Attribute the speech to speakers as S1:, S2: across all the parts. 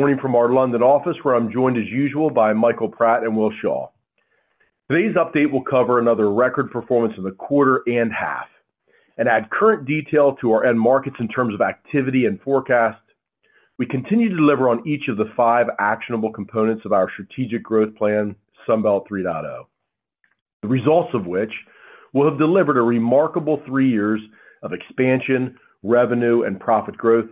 S1: Morning from our London office, where I'm joined, as usual, by Michael Pratt and Will Shaw. Today's update will cover another record performance in the quarter and half, and add current detail to our end markets in terms of activity and forecast. We continue to deliver on each of the five actionable components of our strategic growth plan, Sunbelt 3.0. The results of which will have delivered a remarkable three years of expansion, revenue, and profit growth,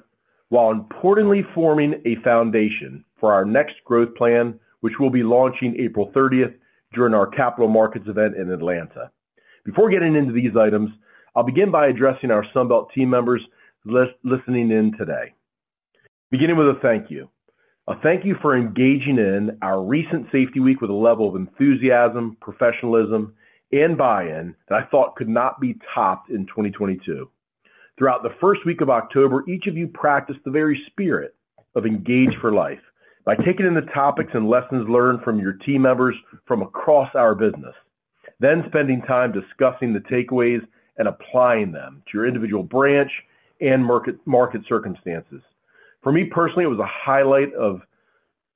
S1: while importantly forming a foundation for our next growth plan, which we'll be launching April 30th during our Capital Markets event in Atlanta. Before getting into these items, I'll begin by addressing our Sunbelt team members listening in today. Beginning with a thank you. A thank you for engaging in our recent safety week with a level of enthusiasm, professionalism, and buy-in that I thought could not be topped in 2022. Throughout the first week of October, each of you practiced the very spirit of Engage for Life by taking in the topics and lessons learned from your team members from across our business, then spending time discussing the takeaways and applying them to your individual branch and market, market circumstances. For me, personally, it was a highlight of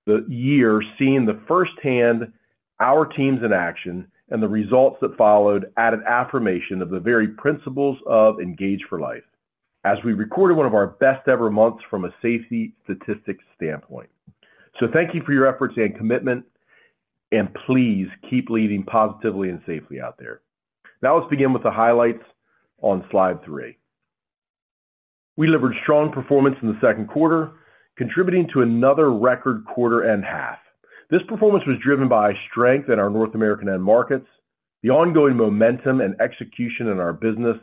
S1: the year, seeing firsthand our teams in action, and the results that followed added affirmation of the very principles of Engage for Life, as we recorded one of our best ever months from a safety statistics standpoint. So thank you for your efforts and commitment, and please keep leading positively and safely out there. Now, let's begin with the highlights on Slide 3. We delivered strong performance in the Q2, contributing to another record quarter and half. This performance was driven by strength in our North American end markets, the ongoing momentum and execution in our business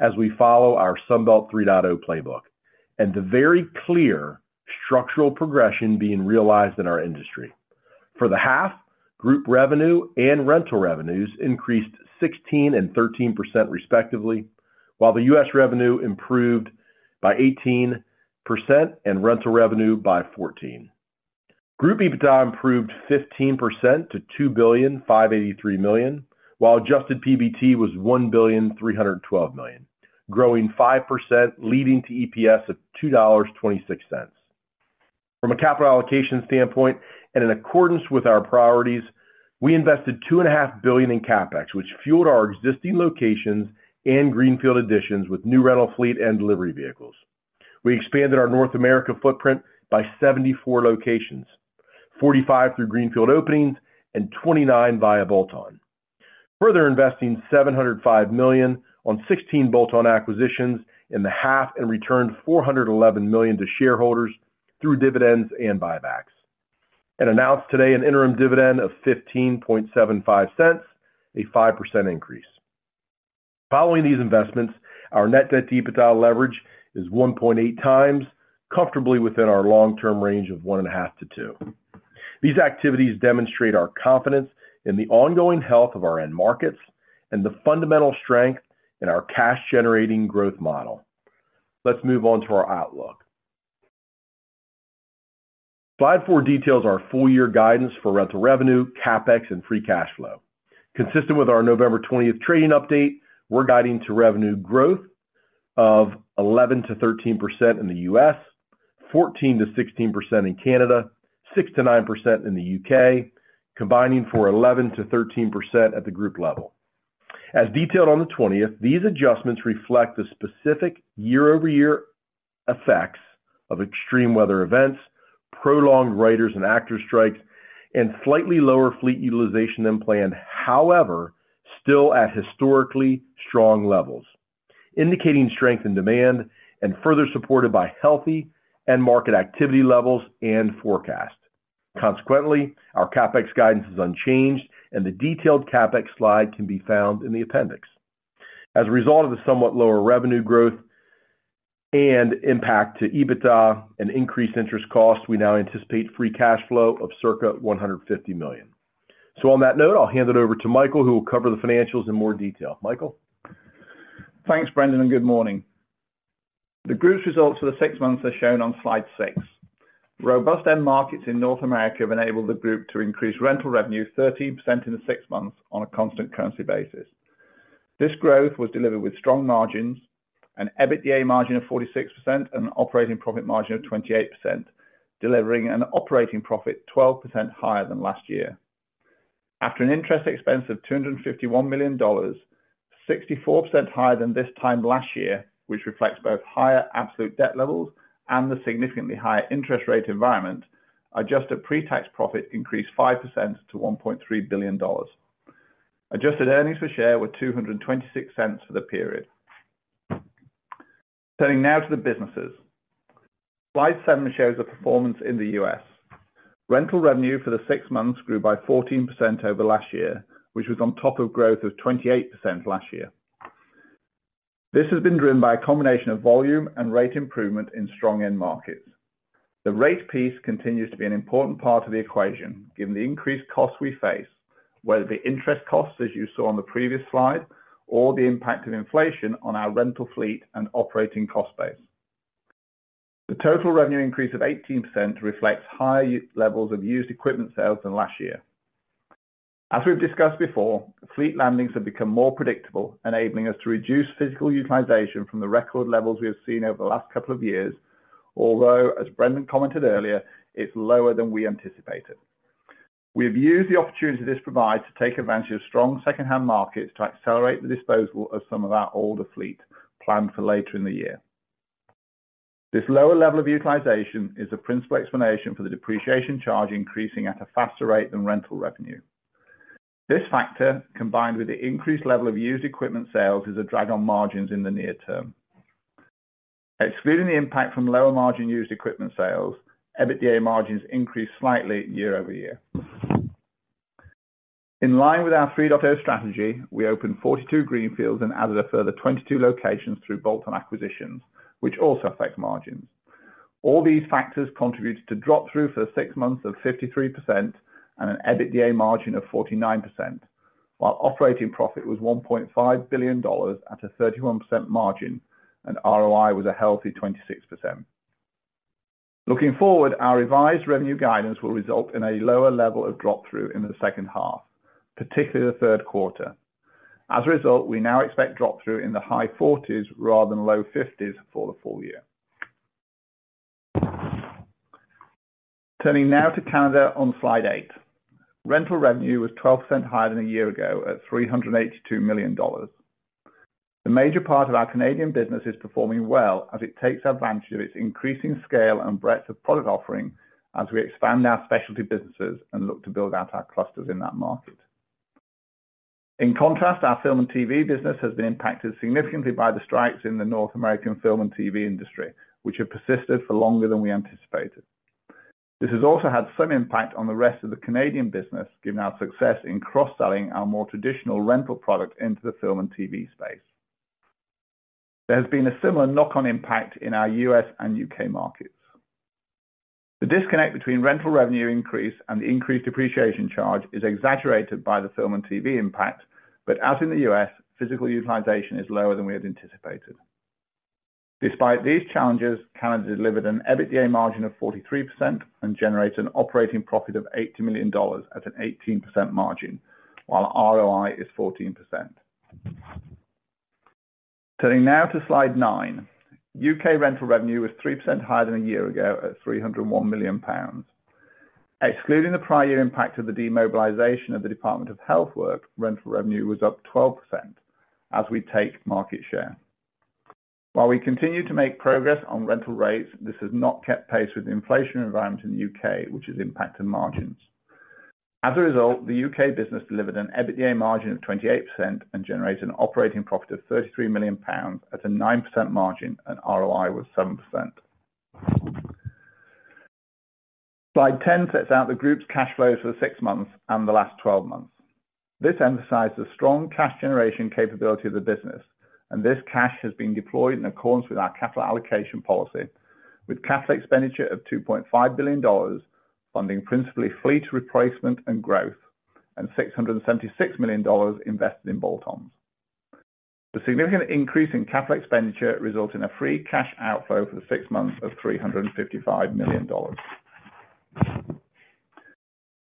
S1: as we follow our Sunbelt 3.0 playbook, and the very clear structural progression being realized in our industry. For the half, group revenue and rental revenues increased 16% and 13%, respectively, while the US revenue improved by 18% and rental revenue by fourteen. Group EBITDA improved 15% to $2.583 billion, while adjusted PBT was $1.312 billion, growing 5%, leading to EPS of $2.26. From a capital allocation standpoint, and in accordance with our priorities, we invested $2.5 billion in CapEx, which fueled our existing locations and greenfield additions with new rental fleet and delivery vehicles. We expanded our North America footprint by 74 locations, 45 through greenfield openings and 29 via bolt-on. Further investing $705 million on 16 bolt-on acquisitions in the half, and returned $411 million to shareholders through dividends and buybacks, and announced today an interim dividend of $0.1575, a 5% increase. Following these investments, our net debt to EBITDA leverage is 1.8 times, comfortably within our long-term range of 1.5-2. These activities demonstrate our confidence in the ongoing health of our end markets and the fundamental strength in our cash-generating growth model. Let's move on to our outlook. Slide 4 details our full year guidance for rental revenue, CapEx, and free cash flow. Consistent with our November 20 trading update, we're guiding to revenue growth of 11%-13% in the US, 14%-16% in Canada, 6%-9% in the UK, combining for 11%-13% at the group level. As detailed on the 20th, these adjustments reflect the specific year-over-year effects of extreme weather events, prolonged writers and actors strikes, and slightly lower fleet utilization than planned. However, still at historically strong levels, indicating strength and demand, and further supported by healthy end market activity levels and forecast. Consequently, our CapEx guidance is unchanged, and the detailed CapEx slide can be found in the appendix. As a result of the somewhat lower revenue growth and impact to EBITDA and increased interest costs, we now anticipate free cash flow of circa $150 million. On that note, I'll hand it over to Michael, who will cover the financials in more detail. Michael?
S2: Thanks, Brendan, and good morning. The group's results for the six months are shown on Slide 6. Robust end markets in North America have enabled the group to increase rental revenue 13% in the six months on a constant currency basis. This growth was delivered with strong margins and EBITDA margin of 46% and an operating profit margin of 28%, delivering an operating profit 12% higher than last year. After an interest expense of $251 million, 64% higher than this time last year, which reflects both higher absolute debt levels and the significantly higher interest rate environment, adjusted pre-tax profit increased 5% to $1.3 billion. Adjusted earnings per share were $2.26 for the period. Turning now to the businesses. Slide 7 shows the performance in the US. Rental revenue for the six months grew by 14% over last year, which was on top of growth of 28% last year. This has been driven by a combination of volume and rate improvement in strong end markets. The rate piece continues to be an important part of the equation, given the increased costs we face, whether the interest costs, as you saw on the previous slide, or the impact of inflation on our rental fleet and operating cost base. The total revenue increase of 18% reflects higher levels of used equipment sales than last year.... As we've discussed before, fleet landings have become more predictable, enabling us to reduce physical utilization from the record levels we have seen over the last couple of years, although as Brendan commented earlier, it's lower than we anticipated. We've used the opportunity this provides to take advantage of strong secondhand markets to accelerate the disposal of some of our older fleet planned for later in the year. This lower level of utilization is a principal explanation for the depreciation charge increasing at a faster rate than rental revenue. This factor, combined with the increased level of used equipment sales, is a drag on margins in the near term. Excluding the impact from lower margin used equipment sales, EBITDA margins increased slightly year-over-year. In line with our 3.0 strategy, we opened 42 greenfields and added a further 22 locations through bolt-on acquisitions, which also affect margins. All these factors contributed to drop through for six months of 53% and an EBITDA margin of 49%, while operating profit was $1.5 billion at a 31% margin, and ROI was a healthy 26%. Looking forward, our revised revenue guidance will result in a lower level of drop through in the second half, particularly the Q3. As a result, we now expect drop through in the high 40s rather than low 50s for the full year. Turning now to Canada on Slide 8. Rental revenue was 12% higher than a year ago at $382 million. The major part of our Canadian business is performing well as it takes advantage of its increasing scale and breadth of product offering as we expand our specialty businesses and look to build out our clusters in that market. In contrast, our film and TV business has been impacted significantly by the strikes in the North American film and TV industry, which have persisted for longer than we anticipated. This has also had some impact on the rest of the Canadian business, given our success in cross-selling our more traditional rental product into the film and TV space. There has been a similar knock-on impact in our US and UK markets. The disconnect between rental revenue increase and the increased depreciation charge is exaggerated by the film and TV impact, but out in the US, physical utilization is lower than we had anticipated. Despite these challenges, Canada delivered an EBITDA margin of 43% and generated an operating profit of $80 million at an 18% margin, while ROI is 14%. Turning now to Slide 9. UK rental revenue was 3% higher than a year ago, at 301 million pounds. Excluding the prior year impact of the demobilization of the Department of Health work, rental revenue was up 12% as we take market share. While we continue to make progress on rental rates, this has not kept pace with the inflation environment in the UK, which is impacting margins. As a result, the UK business delivered an EBITDA margin of 28% and generated an operating profit of 33 million pounds at a 9% margin, and ROI was 7%. Slide 10 sets out the group's cash flows for the six months and the last twelve months. This emphasizes the strong cash generation capability of the business, and this cash has been deployed in accordance with our capital allocation policy, with capital expenditure of $2.5 billion, funding principally fleet replacement and growth, and $676 million invested in bolt-ons. The significant increase in capital expenditure results in a free cash outflow for the six months of $355 million.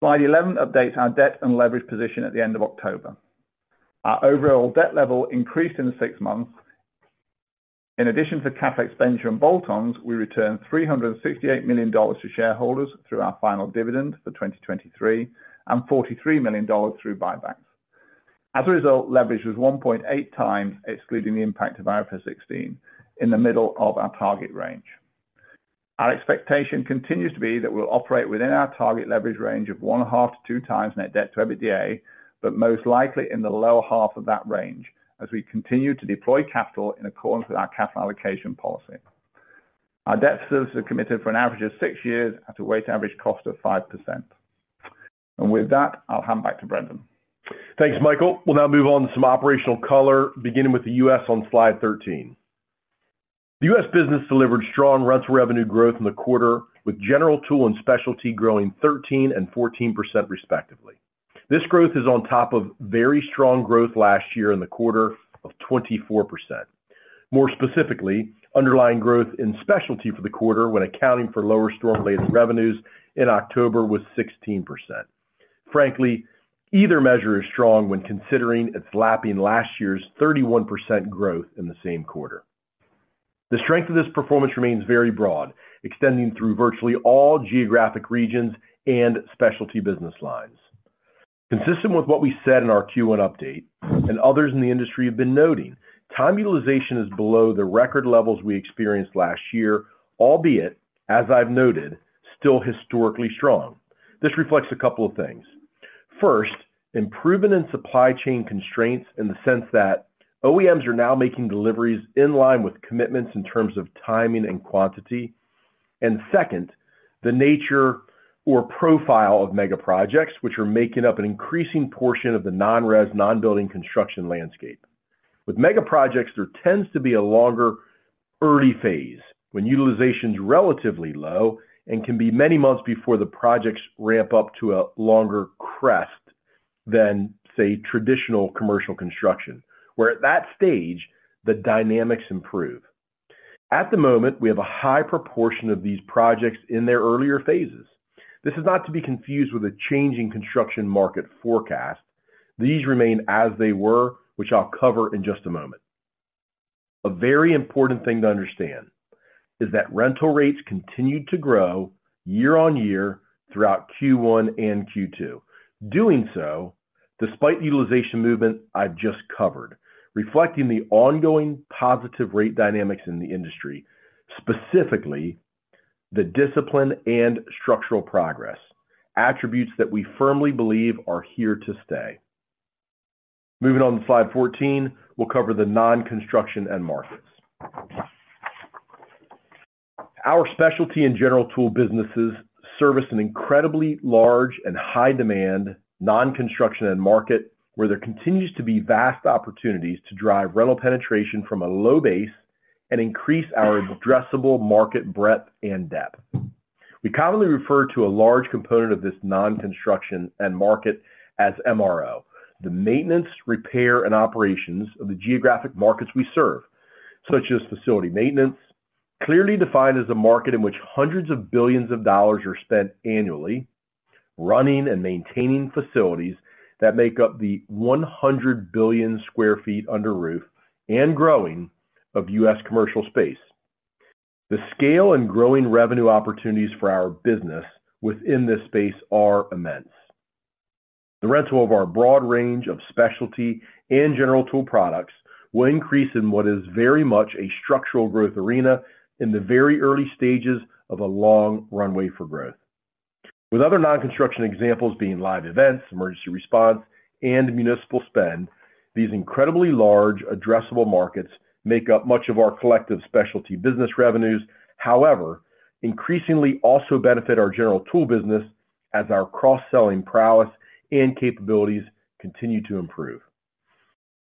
S2: Slide 11 updates our debt and leverage position at the end of October. Our overall debt level increased in the six months. In addition to capital expenditure and bolt-ons, we returned $368 million to shareholders through our final dividend for 2023, and $43 million through buybacks. As a result, leverage was 1.8 times, excluding the impact of IFRS 16, in the middle of our target range. Our expectation continues to be that we'll operate within our target leverage range of 1.5-2 times net debt to EBITDA, but most likely in the lower half of that range, as we continue to deploy capital in accordance with our capital allocation policy. Our debt services are committed for an average of 6 years at a weighted average cost of 5%. With that, I'll hand back to Brendan.
S1: Thanks, Michael. We'll now move on to some operational color, beginning with the US on Slide 13. The US business delivered strong rental revenue growth in the quarter, with general tool and specialty growing 13% and 14%, respectively. This growth is on top of very strong growth last year in the quarter of 24%. More specifically, underlying growth in specialty for the quarter, when accounting for lower storm-related revenues in October, was 16%. Frankly, either measure is strong when considering it's lapping last year's 31% growth in the same quarter. The strength of this performance remains very broad, extending through virtually all geographic regions and specialty business lines. Consistent with what we said in our Q1 update, and others in the industry have been noting, time utilization is below the record levels we experienced last year, albeit, as I've noted, still historically strong. This reflects a couple of things. First, improvement in supply chain constraints in the sense that OEMs are now making deliveries in line with commitments in terms of timing and quantity. And second, the nature or profile of mega projects, which are making up an increasing portion of the non-res, non-building construction landscape. With mega projects, there tends to be a longer early phase, when utilization is relatively low and can be many months before the projects ramp up to a longer crest than, say, traditional commercial construction, where at that stage, the dynamics improve. At the moment, we have a high proportion of these projects in their earlier phases. This is not to be confused with a changing construction market forecast. These remain as they were, which I'll cover in just a moment. A very important thing to understand is that rental rates continued to grow year-on-year throughout Q1 and Q2. Doing so, despite the utilization movement I've just covered, reflecting the ongoing positive rate dynamics in the industry, specifically the discipline and structural progress, attributes that we firmly believe are here to stay. Moving on to Slide 14, we'll cover the non-construction end markets. Our specialty and general tool businesses service an incredibly large and high demand, non-construction end market, where there continues to be vast opportunities to drive rental penetration from a low base and increase our addressable market breadth and depth. We commonly refer to a large component of this non-construction end market as MRO, the maintenance, repair, and operations of the geographic markets we serve, such as facility maintenance, clearly defined as a market in which $hundreds of billions are spent annually, running and maintaining facilities that make up the 100 billion sq ft under roof and growing of US commercial space. The scale and growing revenue opportunities for our business within this space are immense. The rental of our broad range of specialty and general tool products will increase in what is very much a structural growth arena in the very early stages of a long runway for growth. With other non-construction examples being live events, emergency response, and municipal spend, these incredibly large addressable markets make up much of our collective specialty business revenues. However, increasingly also benefit our general tool business as our cross-selling prowess and capabilities continue to improve.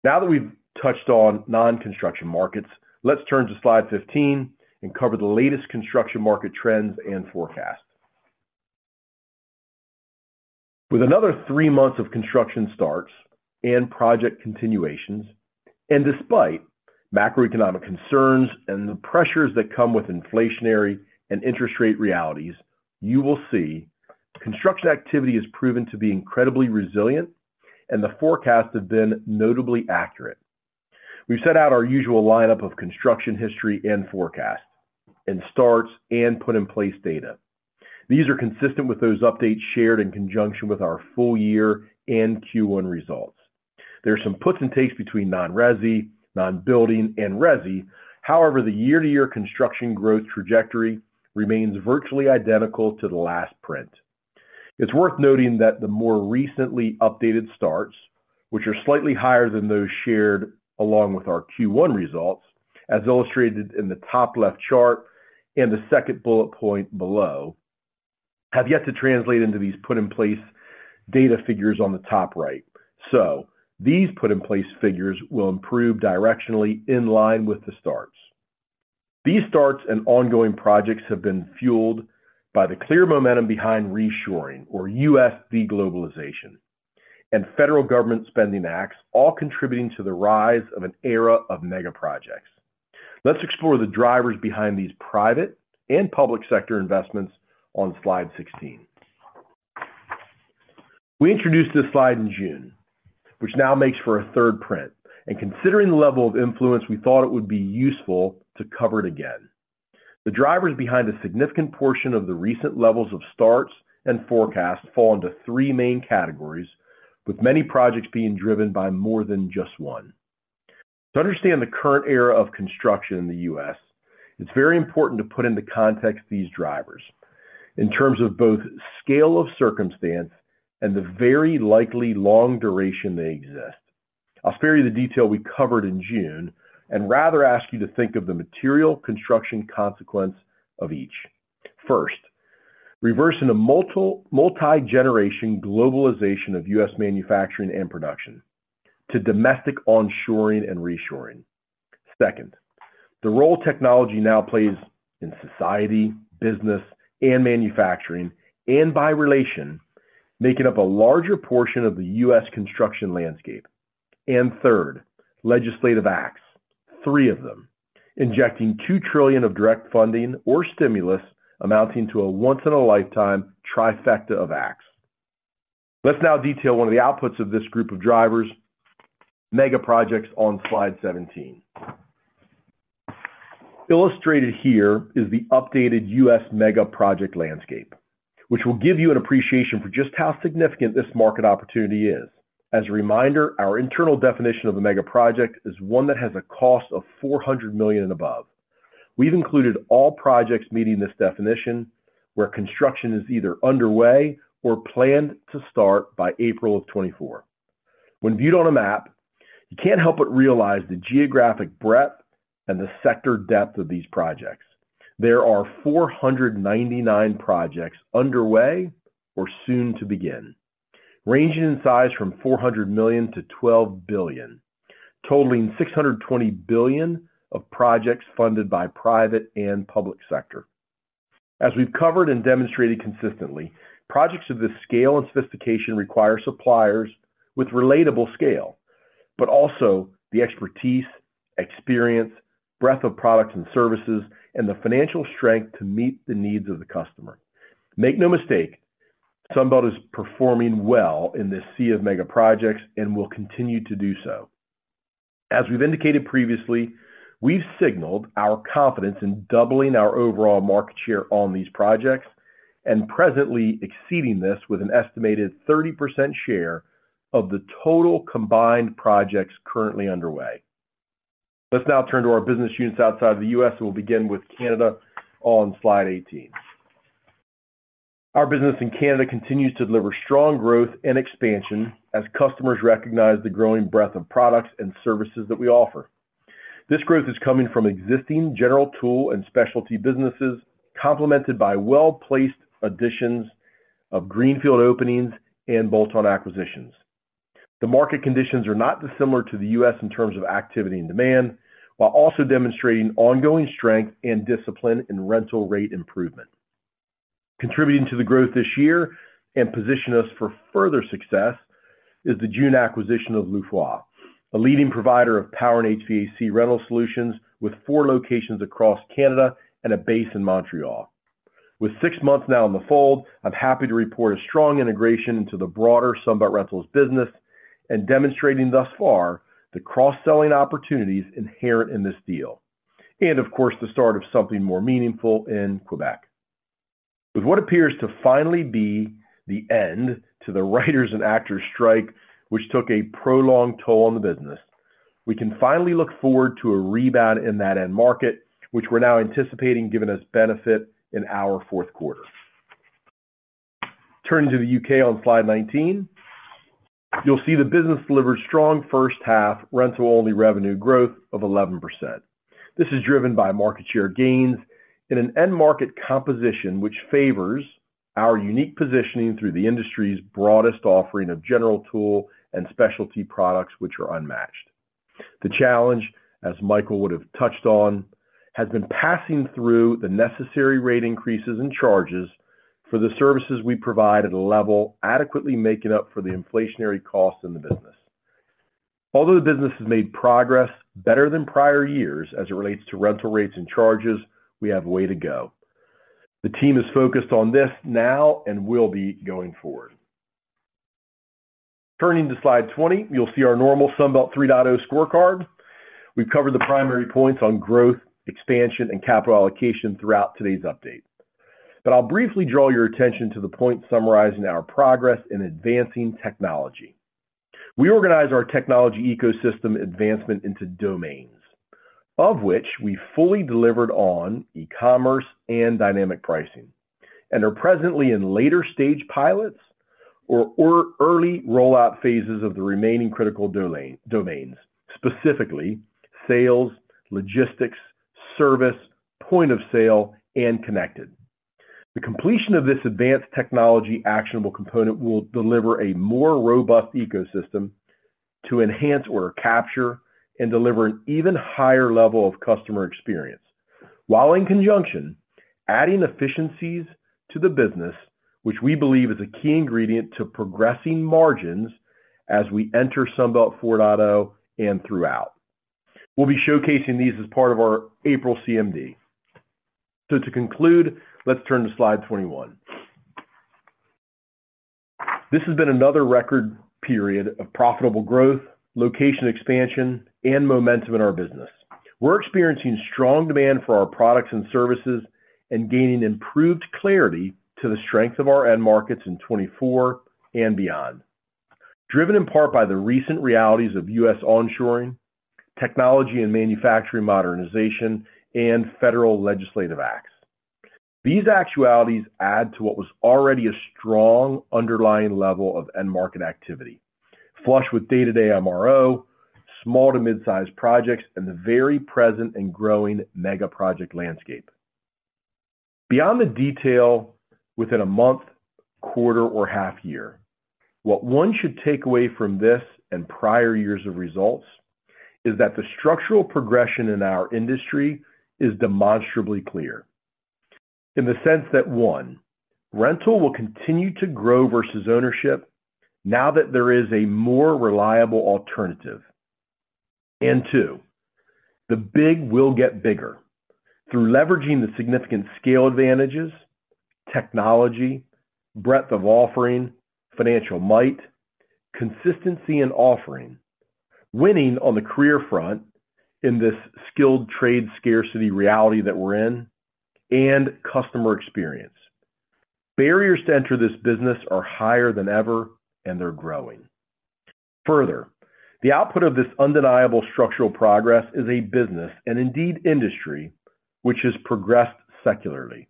S1: Now that we've touched on non-construction markets, let's turn to Slide 15 and cover the latest construction market trends and forecasts. With another three months of construction starts and project continuations, and despite macroeconomic concerns and the pressures that come with inflationary and interest rate realities, you will see construction activity has proven to be incredibly resilient, and the forecasts have been notably accurate. We've set out our usual lineup of construction history and forecast, and starts, and put in place data. These are consistent with those updates shared in conjunction with our full year and Q1 results. There are some puts and takes between non-resi, non-building, and resi. However, the year-to-year construction growth trajectory remains virtually identical to the last print. It's worth noting that the more recently updated starts, which are slightly higher than those shared along with our Q1 results, as illustrated in the top left chart and the second bullet point below, have yet to translate into these put in place data figures on the top right. So these put in place figures will improve directionally in line with the starts. These starts and ongoing projects have been fueled by the clear momentum behind reshoring or US de-globalization, and federal government spending acts, all contributing to the rise of an era of mega projects. Let's explore the drivers behind these private and public sector investments on Slide 16. We introduced this slide in June, which now makes for a third print, and considering the level of influence, we thought it would be useful to cover it again. The drivers behind a significant portion of the recent levels of starts and forecasts fall into three main categories, with many projects being driven by more than just one. To understand the current era of construction in the US, it's very important to put into context these drivers in terms of both scale of circumstance and the very likely long duration they exist. I'll spare you the detail we covered in June, and rather ask you to think of the material construction consequence of each. First, reversing a multi-generation globalization of US manufacturing and production to domestic onshoring and reshoring. Second, the role technology now plays in society, business, and manufacturing, and by relation, making up a larger portion of the US construction landscape. And third, legislative acts, three of them, injecting $2 trillion of direct funding or stimulus, amounting to a once-in-a-lifetime trifecta of acts. Let's now detail one of the outputs of this group of drivers, mega projects, on Slide 17. Illustrated here is the updated US mega project landscape, which will give you an appreciation for just how significant this market opportunity is. As a reminder, our internal definition of a mega project is one that has a cost of $400 million and above. We've included all projects meeting this definition, where construction is either underway or planned to start by April of 2024. When viewed on a map, you can't help but realize the geographic breadth and the sector depth of these projects. There are 499 projects underway or soon to begin, ranging in size from $400 million to $12 billion, totaling $620 billion of projects funded by private and public sector.... As we've covered and demonstrated consistently, projects of this scale and sophistication require suppliers with relatable scale, but also the expertise, experience, breadth of products and services, and the financial strength to meet the needs of the customer. Make no mistake, Sunbelt is performing well in this sea of mega projects and will continue to do so. As we've indicated previously, we've signaled our confidence in doubling our overall market share on these projects and presently exceeding this with an estimated 30% share of the total combined projects currently underway. Let's now turn to our business units outside of the US, and we'll begin with Canada on Slide 18. Our business in Canada continues to deliver strong growth and expansion as customers recognize the growing breadth of products and services that we offer. This growth is coming from existing general tool and specialty businesses, complemented by well-placed additions of greenfield openings and bolt-on acquisitions. The market conditions are not dissimilar to the US in terms of activity and demand, while also demonstrating ongoing strength and discipline in rental rate improvement. Contributing to the growth this year and position us for further success is the June acquisition of Loue Froid, a leading provider of power and HVAC rental solutions, with four locations across Canada and a base in Montreal. With six months now in the fold, I'm happy to report a strong integration into the broader Sunbelt Rentals business and demonstrating thus far the cross-selling opportunities inherent in this deal, and of course, the start of something more meaningful in Quebec. With what appears to finally be the end to the writers and actors strike, which took a prolonged toll on the business, we can finally look forward to a rebound in that end market, which we're now anticipating giving us benefit in our Q4. Turning to the UK on Slide 19, you'll see the business delivered strong first half rental-only revenue growth of 11%. This is driven by market share gains in an end market composition, which favors our unique positioning through the industry's broadest offering of general tool and specialty products, which are unmatched. The challenge, as Michael would have touched on, has been passing through the necessary rate increases and charges for the services we provide at a level adequately making up for the inflationary costs in the business. Although the business has made progress better than prior years as it relates to rental rates and charges, we have a way to go. The team is focused on this now and will be going forward. Turning to Slide 20, you'll see our normal Sunbelt 3.0 scorecard. We've covered the primary points on growth, expansion, and capital allocation throughout today's update. But I'll briefly draw your attention to the point summarizing our progress in advancing technology. We organize our technology ecosystem advancement into domains, of which we fully delivered on e-commerce and dynamic pricing, and are presently in later stage pilots or early rollout phases of the remaining critical domain, domains, specifically sales, logistics, service, point of sale, and connected. The completion of this advanced technology actionable component will deliver a more robust ecosystem to enhance order capture and deliver an even higher level of customer experience, while in conjunction, adding efficiencies to the business, which we believe is a key ingredient to progressing margins as we enter Sunbelt 4.0 and throughout. We'll be showcasing these as part of our April CMD. So to conclude, let's turn to Slide 21. This has been another record period of profitable growth, location expansion, and momentum in our business. We're experiencing strong demand for our products and services and gaining improved clarity to the strength of our end markets in 2024 and beyond, driven in part by the recent realities of US onshoring, technology and manufacturing modernization, and federal legislative acts. These actualities add to what was already a strong underlying level of end-market activity, flush with day-to-day MRO, small to mid-size projects, and the very present and growing mega-project landscape. Beyond the detail within a month, quarter, or half year, what one should take away from this and prior years of results is that the structural progression in our industry is demonstrably clear. In the sense that, 1, rental will continue to grow versus ownership now that there is a more reliable alternative. And 2, the big will get bigger through leveraging the significant scale advantages, technology, breadth of offering, financial might, consistency in offering, winning on the career front in this skilled trade scarcity reality that we're in, and customer experience. Barriers to enter this business are higher than ever, and they're growing. Further, the output of this undeniable structural progress is a business, and indeed industry, which has progressed secularly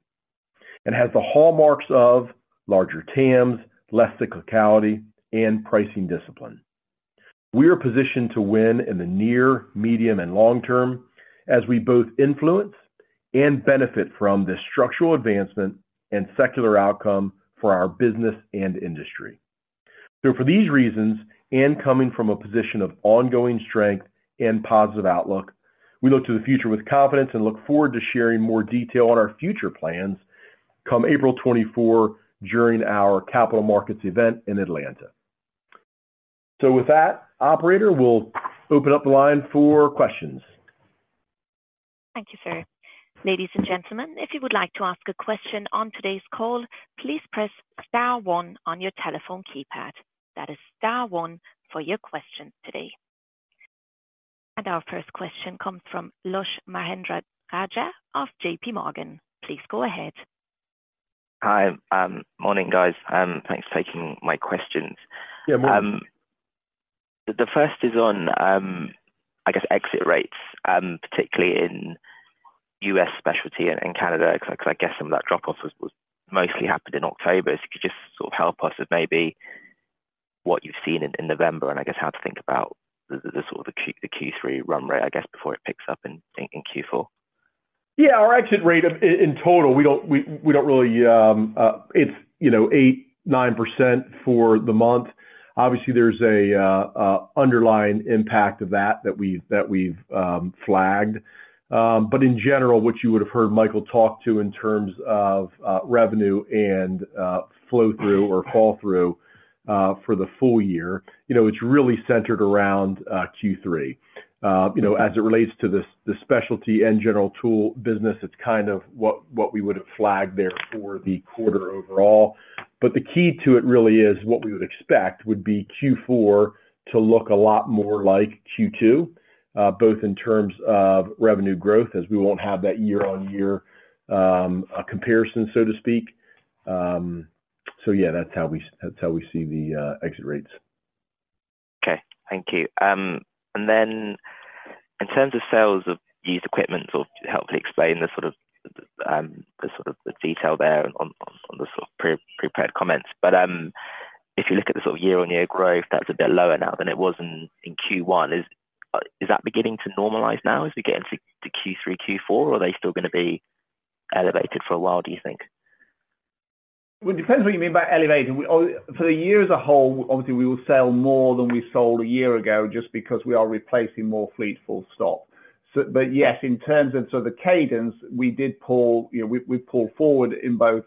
S1: and has the hallmarks of larger TAMs, less cyclicality, and pricing discipline. We are positioned to win in the near, medium, and long term as we both influence and benefit from this structural advancement and secular outcome for our business and industry. So for these reasons, and coming from a position of ongoing strength and positive outlook, we look to the future with confidence and look forward to sharing more detail on our future plans come April 2024 during our capital markets event in Atlanta. So with that, operator, we'll open up the line for questions.
S3: Thank you, sir. Ladies and gentlemen, if you would like to ask a question on today's call, please press star one on your telephone keypad. That is star one for your questions today. Our first question comes from Lush Mahendrarajah of JP Morgan. Please go ahead.
S4: Hi. Morning, guys. Thanks for taking my questions.
S1: Yeah.
S4: The first is on, I guess, exit rates, particularly in US specialty and Canada, because I guess some of that drop-off was mostly happened in October. So if you could just sort of help us with maybe what you've seen in November, and I guess how to think about the sort of Q3 run rate, I guess, before it picks up in Q4.
S1: Yeah, our exit rate in total, we don't really... It's, you know, 8-9% for the month. Obviously, there's an underlying impact of that that we've flagged. But in general, what you would have heard Michael talk to in terms of revenue and flow-through or fall-through for the full year, you know, it's really centered around Q3. You know, as it relates to the specialty and general tool business, it's kind of what we would have flagged there for the quarter overall. But the key to it really is what we would expect would be Q4 to look a lot more like Q2, both in terms of revenue growth, as we won't have that year-on-year comparison, so to speak. So yeah, that's how we see the exit rates.
S4: Okay. Thank you. And then in terms of sales of used equipment or to help explain the sort of detail there on the sort of pre-prepared comments, but if you look at the sort of year-on-year growth, that's a bit lower now than it was in Q1. Is that beginning to normalize now as we get into Q3, Q4, or are they still gonna be elevated for a while, do you think?
S2: Well, it depends what you mean by elevated. We-- Oh, for the year as a whole, obviously, we will sell more than we sold a year ago just because we are replacing more fleet, full stop. So, but yes, in terms of, so the cadence, we did pull, you know, we, we pulled forward in both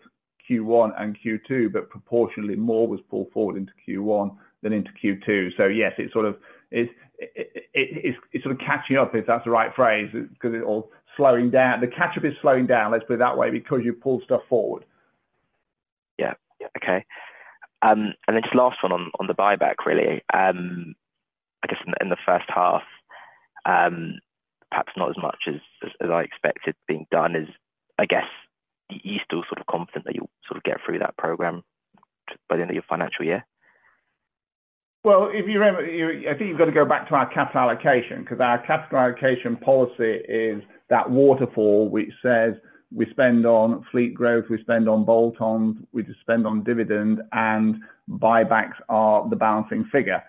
S2: Q1 and Q2, but proportionally more was pulled forward into Q1 than into Q2. So yes, it sort of, it, it, it's sort of catching up, if that's the right phrase, 'cause it's all slowing down. The catch-up is slowing down, let's put it that way, because you pulled stuff forward.
S4: Yeah. Yeah. Okay. And then just last one on, on the buyback, really. I guess in the first half, perhaps not as much as, as I expected being done. Are you still sort of confident that you'll sort of get through that program by the end of your financial year?
S2: Well, if you remember, you, I think you've got to go back to our capital allocation, because our capital allocation policy is that waterfall, which says we spend on fleet growth, we spend on bolt-ons, we just spend on dividend, and buybacks are the balancing figure.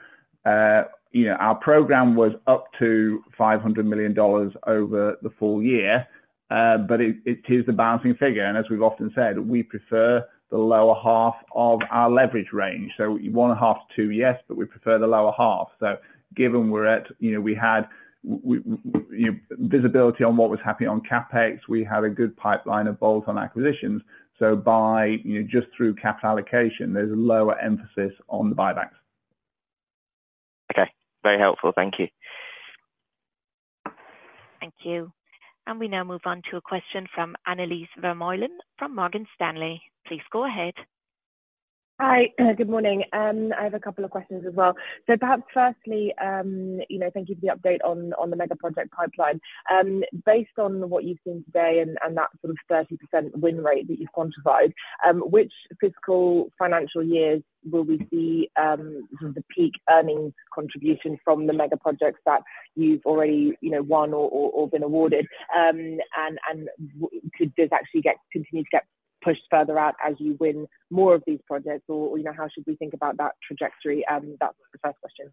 S2: You know, our program was up to $500 million over the full year, but it, it is the balancing figure. And as we've often said, we prefer the lower half of our leverage range, so 0.5-2, yes, but we prefer the lower half. So given we're at, you know, we had visibility on what was happening on CapEx, we had a good pipeline of bolt-on acquisitions. So by, you know, just through capital allocation, there's a lower emphasis on the buybacks.
S4: Okay. Very helpful. Thank you.
S3: Thank you. We now move on to a question from Annelies Vermeulen from Morgan Stanley. Please go ahead.
S5: Hi. Good morning. I have a couple of questions as well. So perhaps firstly, you know, thank you for the update on the mega project pipeline. Based on what you've seen today and that sort of 30% win rate that you've quantified, which fiscal financial years will we see the peak earnings contribution from the mega projects that you've already, you know, won or been awarded? And could this actually get, continue to get pushed further out as you win more of these projects, or, you know, how should we think about that trajectory? That's the first question.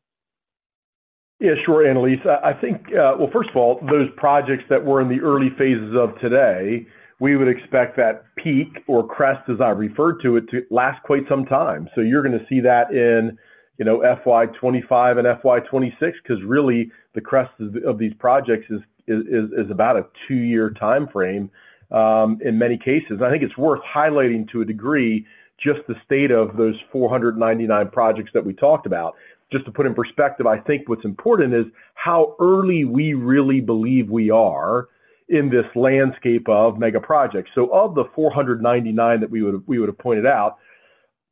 S1: Yeah, sure, Annelies. I, I think, well, first of all, those projects that were in the early phases of today, we would expect that peak or crest, as I referred to it, to last quite some time. So you're gonna see that in, you know, FY 25 and FY 26, because really, the crest of these projects is about a two-year timeframe in many cases. I think it's worth highlighting to a degree, just the state of those 499 projects that we talked about. Just to put in perspective, I think what's important is how early we really believe we are in this landscape of megaprojects. So of the 499 that we would, we would have pointed out,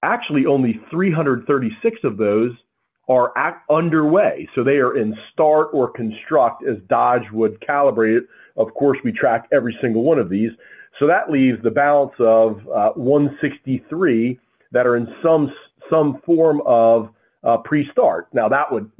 S1: actually only 336 of those are at underway, so they are in start or construct, as Dodge would calibrate it. Of course, we track every single one of these. So that leaves the balance of 163 that are in some form of pre-start. Now, that would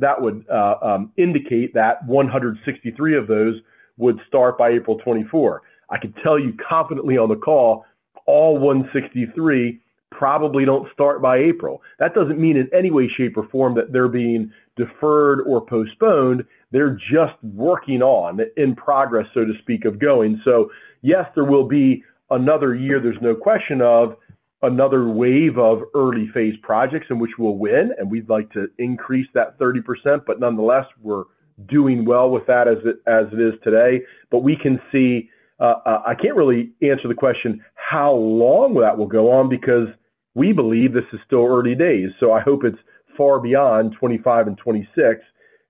S1: indicate that 163 of those would start by April 2024. I can tell you confidently on the call, all 163 probably don't start by April. That doesn't mean in any way, shape, or form that they're being deferred or postponed, they're just working on, in progress, so to speak, of going. So yes, there will be another year, there's no question of.... another wave of early phase projects in which we'll win, and we'd like to increase that 30%. But nonetheless, we're doing well with that as it, as it is today. But we can see, I can't really answer the question, how long that will go on? Because we believe this is still early days, so I hope it's far beyond 2025 and 2026.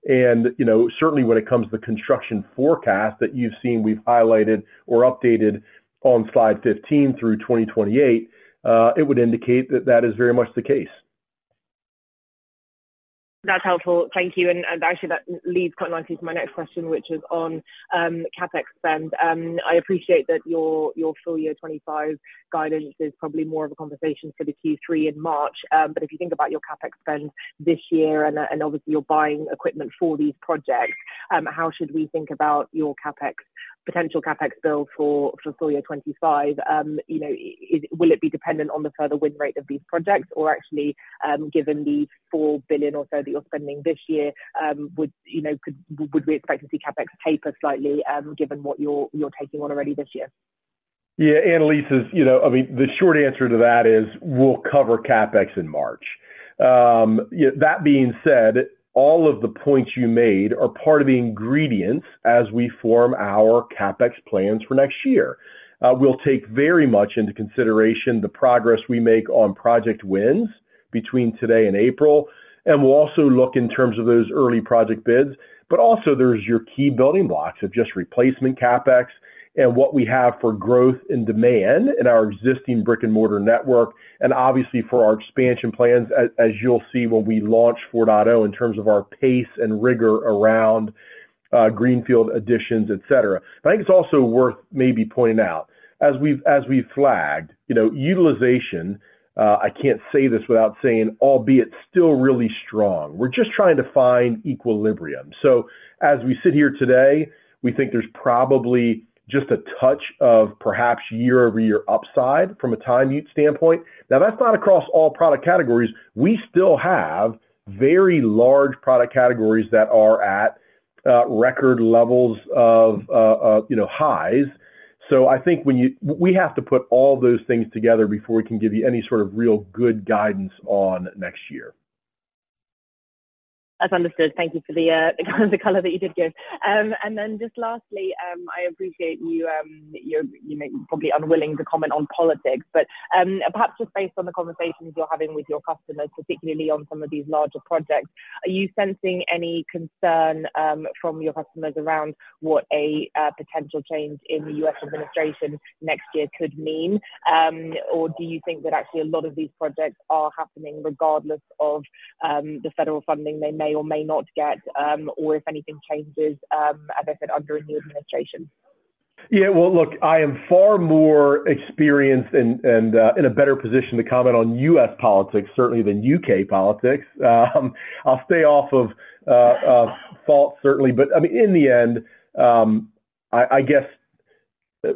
S1: And, you know, certainly when it comes to the construction forecast that you've seen, we've highlighted or updated on Slide 15 through 2028, it would indicate that that is very much the case.
S5: That's helpful. Thank you. And actually, that leads quite nicely to my next question, which is on CapEx spend. I appreciate that your full year 2025 guidance is probably more of a conversation for the Q3 in March. But if you think about your CapEx spend this year, and obviously you're buying equipment for these projects, how should we think about your CapEx potential CapEx bill for full year 2025? You know, is, will it be dependent on the further win rate of these projects, or actually, given the $4 billion or so that you're spending this year, would, you know, could, would we expect to see CapEx taper slightly, given what you're taking on already this year?
S1: Yeah, Annelies, you know, I mean, the short answer to that is we'll cover CapEx in March. Yeah, that being said, all of the points you made are part of the ingredients as we form our CapEx plans for next year. We'll take very much into consideration the progress we make on project wins between today and April, and we'll also look in terms of those early project bids. But also there's your key building blocks of just replacement CapEx and what we have for growth and demand in our existing brick-and-mortar network, and obviously for our expansion plans, as, as you'll see when we launch 4.0, in terms of our pace and rigor around greenfield additions, et cetera. I think it's also worth maybe pointing out, as we've flagged, you know, utilization. I can't say this without saying, albeit still really strong. We're just trying to find equilibrium. So as we sit here today, we think there's probably just a touch of perhaps year-over-year upside from a time utilization standpoint. Now, that's not across all product categories. We still have very large product categories that are at record levels of, you know, highs. So I think when you—we have to put all those things together before we can give you any sort of real good guidance on next year.
S5: That's understood. Thank you for the color that you did give. And then just lastly, I appreciate you. You're probably unwilling to comment on politics, but perhaps just based on the conversations you're having with your customers, particularly on some of these larger projects, are you sensing any concern from your customers around what a potential change in the US administration next year could mean? Or do you think that actually a lot of these projects are happening regardless of the federal funding they may or may not get, or if anything changes, as I said, under a new administration?
S1: Yeah, well, look, I am far more experienced and in a better position to comment on US politics, certainly, than UK. politics. I'll stay off of fault lines, certainly, but I mean, in the end, I guess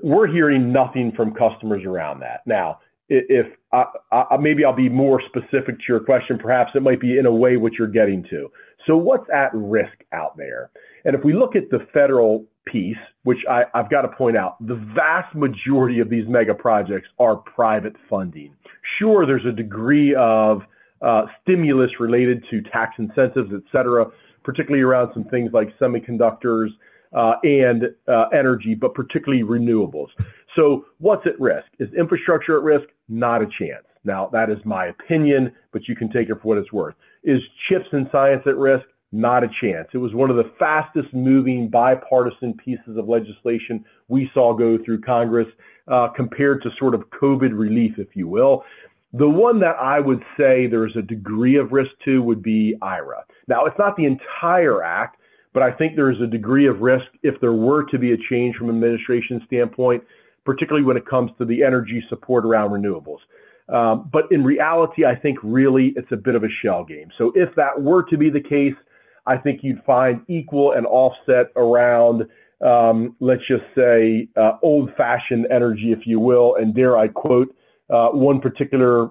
S1: we're hearing nothing from customers around that. Now, if I maybe I'll be more specific to your question, perhaps it might be in a way what you're getting to. So what's at risk out there? And if we look at the federal piece, which I've got to point out, the vast majority of these mega projects are private funding. Sure, there's a degree of stimulus related to tax incentives, et cetera, particularly around some things like semiconductors and energy, but particularly renewables. So what's at risk? Is infrastructure at risk? Not a chance. Now, that is my opinion, but you can take it for what it's worth. Is CHIPS and Science at risk? Not a chance. It was one of the fastest moving bipartisan pieces of legislation we saw go through Congress, compared to sort of COVID relief, if you will. The one that I would say there is a degree of risk to would be IRA. Now, it's not the entire act, but I think there is a degree of risk if there were to be a change from an administration standpoint, particularly when it comes to the energy support around renewables. But in reality, I think really it's a bit of a shell game. So if that were to be the case, I think you'd find equal and offset around, let's just say, old-fashioned energy, if you will, and dare I quote, one particular,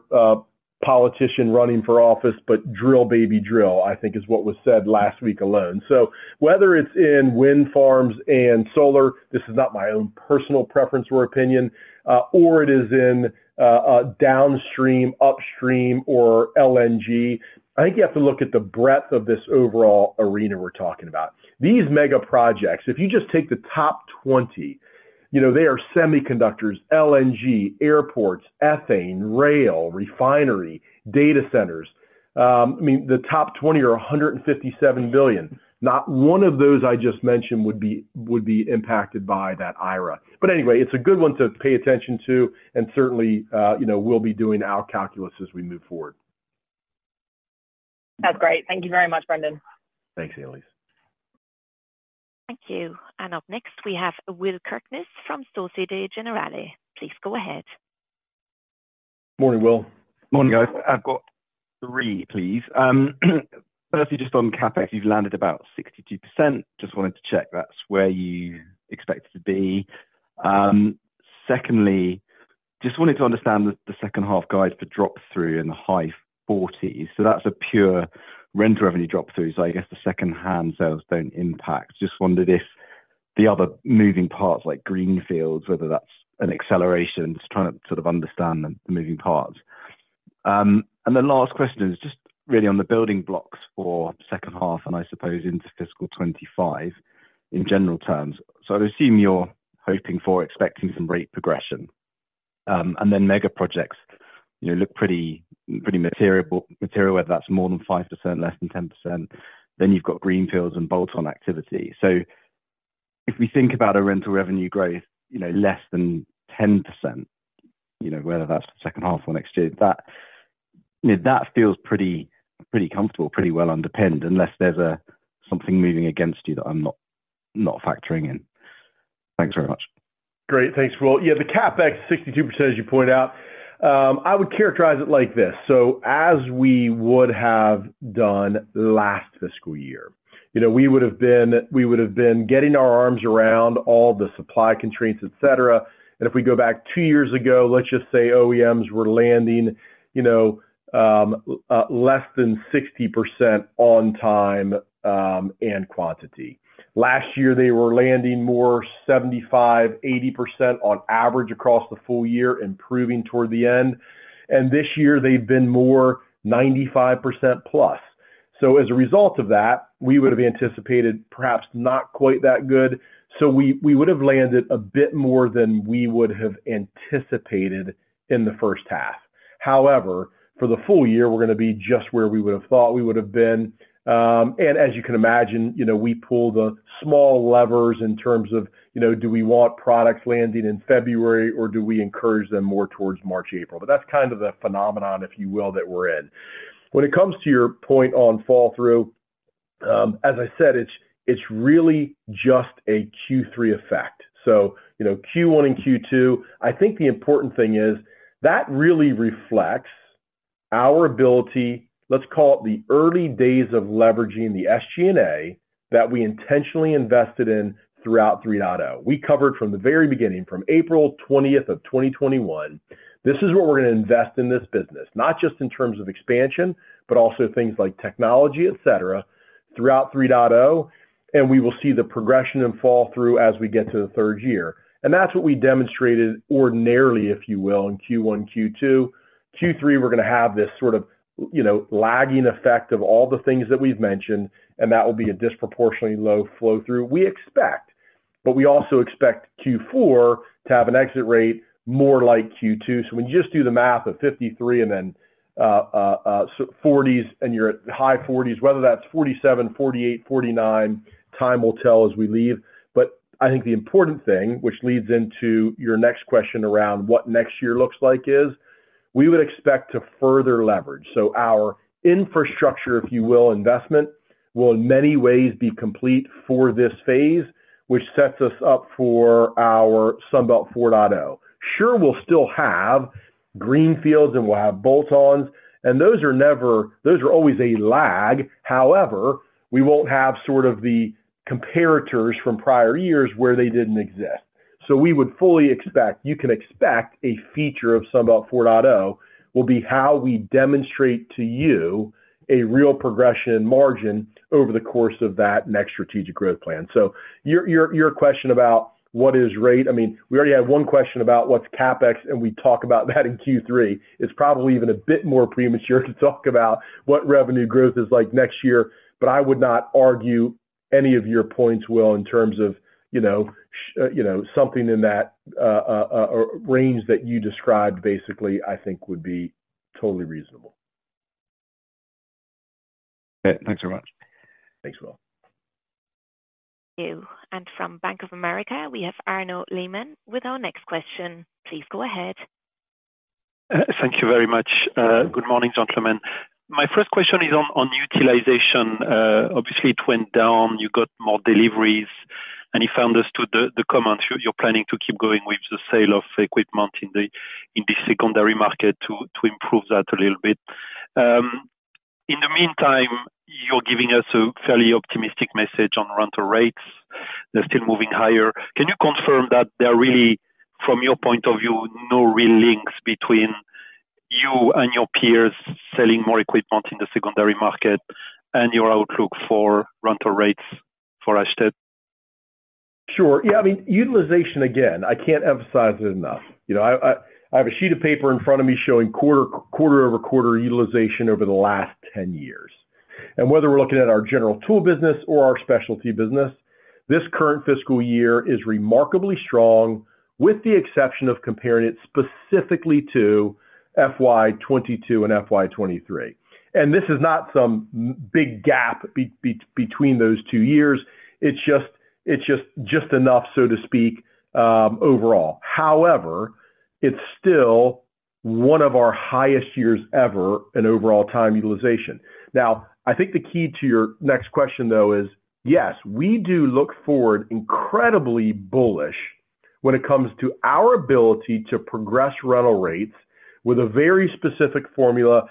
S1: politician running for office, but, "Drill, baby, drill," I think is what was said last week alone. So whether it's in wind farms and solar, this is not my own personal preference or opinion, or it is in, a downstream, upstream, or LNG, I think you have to look at the breadth of this overall arena we're talking about. These mega projects, if you just take the top 20, you know, they are semiconductors, LNG, airports, ethane, rail, refinery, data centers. I mean, the top 20 are $157 billion. Not one of those I just mentioned would be, would be impacted by that IRA. But anyway, it's a good one to pay attention to, and certainly, you know, we'll be doing our calculus as we move forward.
S5: That's great. Thank you very much, Brendan.
S1: Thanks, Annelies.
S3: Thank you. And up next, we have Will Kirkness from Societe Generale. Please go ahead.
S1: Morning, Will.
S6: Morning, guys. I've got three, please. Firstly, just on CapEx, you've landed about 62%. Just wanted to check that's where you expect it to be. Secondly, just wanted to understand the second half guide for drop-through in the high 40s. So that's a pure rent revenue drop-through, so I guess the secondhand sales don't impact. Just wondered if the other moving parts like greenfields, whether that's an acceleration, just trying to sort of understand the moving parts. And the last question is just really on the building blocks for second half, and I suppose into fiscal 2025 in general terms. So I assume you're hoping for expecting some rate progression. And then mega projects, you know, look pretty material, whether that's more than 5%, less than 10%, then you've got greenfields and bolt-on activity. So if we think about a rental revenue growth, you know, less than 10%, you know, whether that's the second half or next year, that, you know, that feels pretty, pretty comfortable, pretty well underpinned, unless there's a something moving against you that I'm not, not factoring in. Thanks very much.
S1: Great. Thanks, Will. Yeah, the CapEx, 62%, as you point out, I would characterize it like this: so as we would have done last fiscal year, you know, we would have been, we would have been getting our arms around all the supply constraints, et cetera. And if we go back two years ago, let's just say OEMs were landing, you know, less than 60% on time, and quantity. Last year, they were landing more 75%-80% on average across the full year, improving toward the end, and this year they've been more 95% plus. So as a result of that, we would have anticipated perhaps not quite that good, so we, we would have landed a bit more than we would have anticipated in the first half. However, for the full year, we're gonna be just where we would have thought we would have been. And as you can imagine, you know, we pull the small levers in terms of, you know, do we want products landing in February, or do we encourage them more towards March, April? But that's kind of the phenomenon, if you will, that we're in. When it comes to your point on fall through, as I said, it's, it's really just a Q3 effect. So, you know, Q1 and Q2, I think the important thing is that really reflects our ability, let's call it the early days of leveraging the SG&A, that we intentionally invested in throughout three point O. We covered from the very beginning, from April 20, 2021, this is where we're gonna invest in this business, not just in terms of expansion, but also things like technology, et cetera, throughout 3.0, and we will see the progression and flow-through as we get to the third year. And that's what we demonstrated ordinarily, if you will, in Q1, Q2. Q3, we're gonna have this sort of, you know, lagging effect of all the things that we've mentioned, and that will be a disproportionately low flow-through, we expect, but we also expect Q4 to have an exit rate more like Q2. So when you just do the math of 53 and then, so 40s and you're at high 40s, whether that's 47, 48, 49, time will tell as we leave. But I think the important thing, which leads into your next question around what next year looks like is, we would expect to further leverage. So our infrastructure, if you will, investment, will in many ways be complete for this phase, which sets us up for our Sunbelt 4.0. Sure, we'll still have greenfields and we'll have bolt-ons, and those are never, those are always a lag. However, we won't have sort of the comparators from prior years where they didn't exist. So we would fully expect, you can expect, a feature of Sunbelt 4.0, will be how we demonstrate to you a real progression in margin over the course of that next strategic growth plan. So your, your, your question about what is rate? I mean, we already had one question about what's CapEx, and we talk about that in Q3. It's probably even a bit more premature to talk about what revenue growth is like next year, but I would not argue any of your points, Will, in terms of, you know, you know, something in that range that you described. Basically, I think would be totally reasonable.
S6: Okay. Thanks very much.
S1: Thanks, Will.
S3: You. And from Bank of America, we have Arnaud Lehmann with our next question. Please go ahead.
S7: Thank you very much. Good morning, gentlemen. My first question is on utilization. Obviously, it went down, you got more deliveries, and if I understood the comments, you're planning to keep going with the sale of equipment in the secondary market to improve that a little bit. In the meantime, you're giving us a fairly optimistic message on rental rates. They're still moving higher. Can you confirm that there are really, from your point of view, no real links between you and your peers selling more equipment in the secondary market and your outlook for rental rates for us too?
S1: Sure. Yeah, I mean, utilization, again, I can't emphasize it enough. You know, I have a sheet of paper in front of me showing quarter-over-quarter utilization over the last 10 years. And whether we're looking at our general tool business or our specialty business, this current fiscal year is remarkably strong, with the exception of comparing it specifically to FY 2022 and FY 2023. And this is not some big gap between those two years, it's just enough, so to speak, overall. However, it's still one of our highest years ever in overall time utilization. Now, I think the key to your next question, though, is, yes, we do look forward incredibly bullish when it comes to our ability to progress rental rates with a very specific formula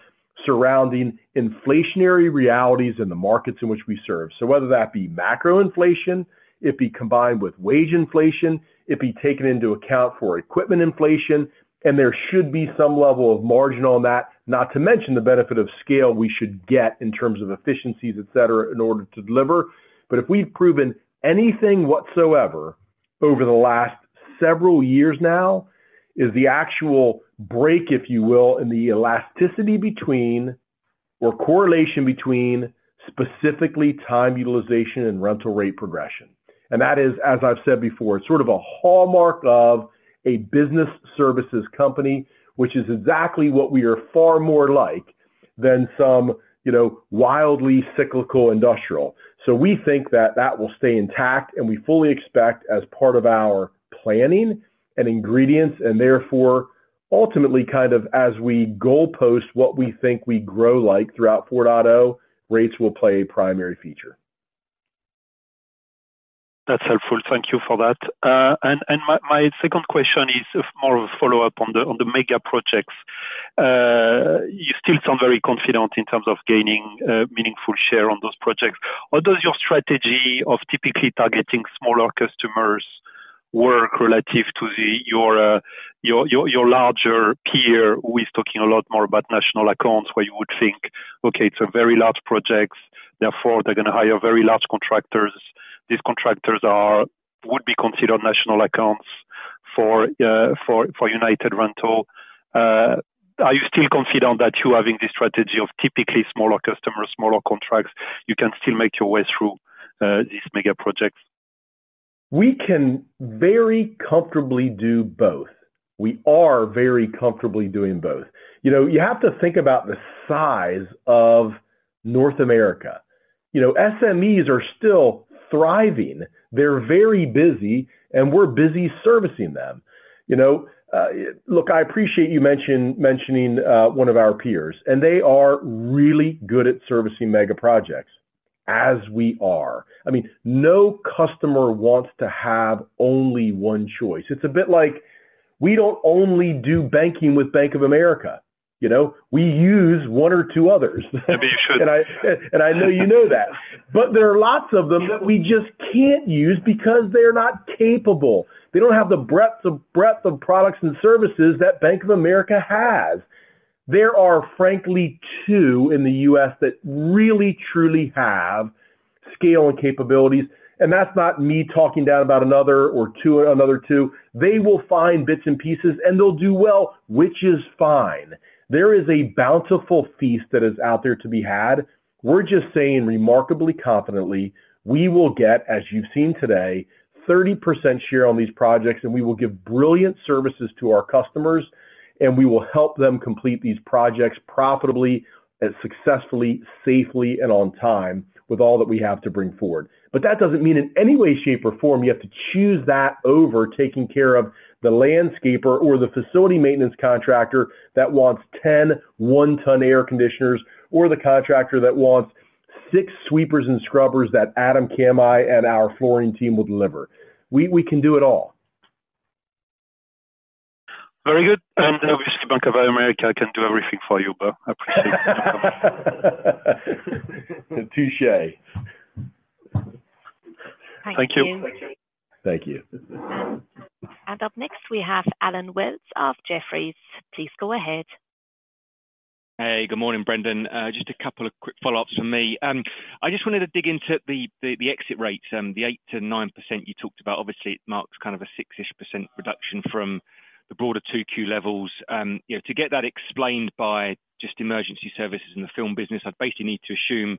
S1: surrounding inflationary realities in the markets in which we serve. So whether that be macro inflation, it be combined with wage inflation, it be taken into account for equipment inflation, and there should be some level of margin on that. Not to mention the benefit of scale we should get in terms of efficiencies, et cetera, in order to deliver. But if we've proven anything whatsoever over the last several years now is the actual break, if you will, in the elasticity between or correlation between specifically time utilization and rental rate progression. And that is, as I've said before, sort of a hallmark of a business services company, which is exactly what we are far more like than some, you know, wildly cyclical industrial. So we think that that will stay intact, and we fully expect as part of our planning and ingredients, and therefore ultimately kind of as we goalpost what we think we grow like throughout 4.0, rates will play a primary feature.
S7: That's helpful. Thank you for that. And my second question is more of a follow-up on the mega projects. You still sound very confident in terms of gaining meaningful share on those projects. How does your strategy of typically targeting smaller customers work relative to your larger peer, who is talking a lot more about national accounts, where you would think, okay, it's a very large projects, therefore, they're gonna hire very large contractors. These contractors would be considered national accounts for United Rentals. Are you still confident that you having this strategy of typically smaller customers, smaller contracts, you can still make your way through these mega projects?
S1: We can very comfortably do both. We are very comfortably doing both. You know, you have to think about the size of North America. You know, SMEs are still thriving. They're very busy, and we're busy servicing them. You know, look, I appreciate you mentioning one of our peers, and they are really good at servicing mega projects, as we are. I mean, no customer wants to have only one choice. It's a bit like we don't only do banking with Bank of America, you know? We use one or two others.
S7: Maybe you should.
S1: And I know you know that. But there are lots of them that we just can't use because they're not capable. They don't have the breadth of products and services that Bank of America has. There are, frankly, two in the US that really, truly have scale and capabilities, and that's not me talking down about another or two, another two. They will find bits and pieces, and they'll do well, which is fine. There is a bountiful feast that is out there to be had. We're just saying remarkably confidently, we will get, as you've seen today, 30% share on these projects, and we will give brilliant services to our customers, and we will help them complete these projects profitably and successfully, safely, and on time, with all that we have to bring forward. But that doesn't mean in any way, shape, or form, you have to choose that over taking care of the landscaper or the facility maintenance contractor that wants 10 one-ton air conditioners, or the contractor that wants 6 sweepers and scrubbers that Adam Camhi and our flooring team will deliver. We, we can do it all.
S7: Very good. Obviously, Bank of America can do everything for you, but I appreciate.
S1: Touche!
S3: Thank you.
S1: Thank you.
S3: Up next, we have Allen Wells of Jefferies. Please go ahead.
S8: Hey, good morning, Brendan. Just a couple of quick follow-ups from me. I just wanted to dig into the exit rates, the 8%-9% you talked about. Obviously, it marks kind of a 6-ish% reduction from the broader 2Q levels. You know, to get that explained by just emergency services and the film business, I'd basically need to assume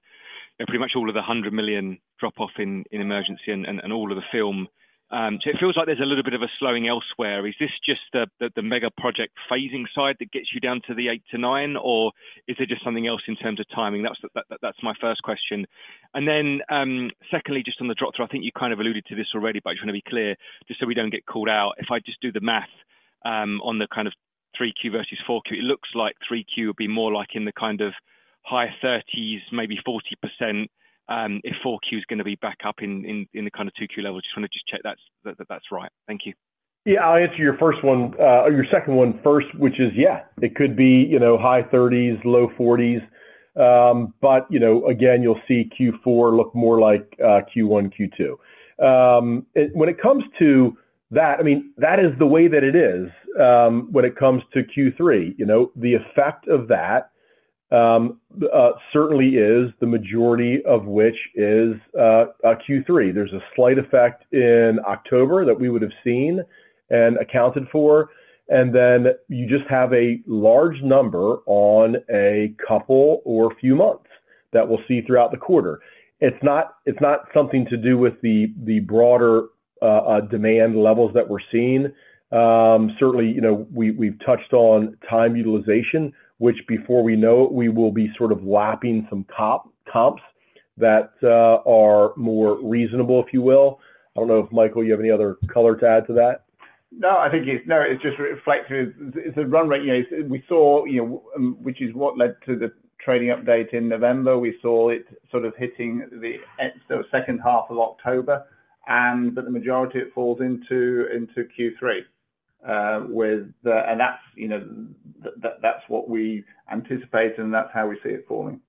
S8: that pretty much all of the $100 million drop-off in emergency and all of the film. So it feels like there's a little bit of a slowing elsewhere. Is this just the mega project phasing side that gets you down to the 8%-9%, or is it just something else in terms of timing? That's my first question. And then, secondly, just on the drop-through, I think you kind of alluded to this already, but I just want to be clear, just so we don't get called out. If I just do the math on the kind of three Q versus four Q, it looks like three Q would be more like in the kind of high thirties, maybe 40%, if four Q is gonna be back up in the kind of two Q level. Just want to check that's right. Thank you.
S1: Yeah, I'll answer your first one, or your second one first, which is, yeah, it could be, you know, high thirties, low forties, but you know, again, you'll see Q4 look more like, Q1, Q2. And when it comes to that, I mean, that is the way that it is. When it comes to Q3, you know, the effect of that, certainly is the majority of which is, Q3. There's a slight effect in October that we would have seen and accounted for, and then you just have a large number on a couple or few months that we'll see throughout the quarter. It's not, it's not something to do with the broader, demand levels that we're seeing. Certainly, you know, we've touched on time utilization, which before we know, we will be sort of lapping some top comps that are more reasonable, if you will. I don't know if, Michael, you have any other color to add to that?
S2: No, I think it's... No, it just reflects it. It's a run rate. You know, we saw, you know, which is what led to the trading update in November. We saw it sort of hitting the second half of October, but the majority of it falls into Q3, and that's, you know, that's what we anticipate, and that's how we see it falling.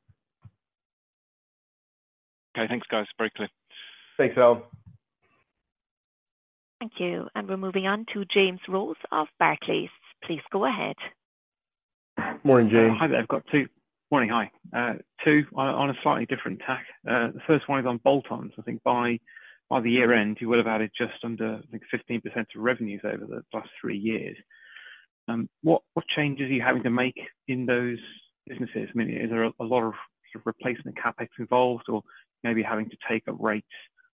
S8: Okay. Thanks, guys. Very clear.
S1: Thanks, Al.
S3: Thank you. We're moving on to James Rose of Barclays. Please go ahead....
S1: Morning, James.
S9: Hi there. I've got two—Morning, hi. Two on a slightly different tack. The first one is on bolt-ons. I think by the year end, you will have added just under, I think, 15% of revenues over the plus three years. What changes are you having to make in those businesses? I mean, is there a lot of replacement CapEx involved or maybe having to take a rate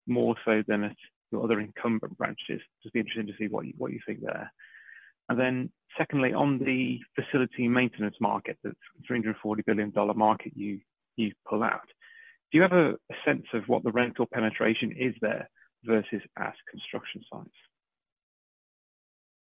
S9: more so than at your other incumbent branches? Just be interesting to see what you think there. And then secondly, on the facility maintenance market, that's $340 billion market you pull out. Do you have a sense of what the rental penetration is there versus as construction sites?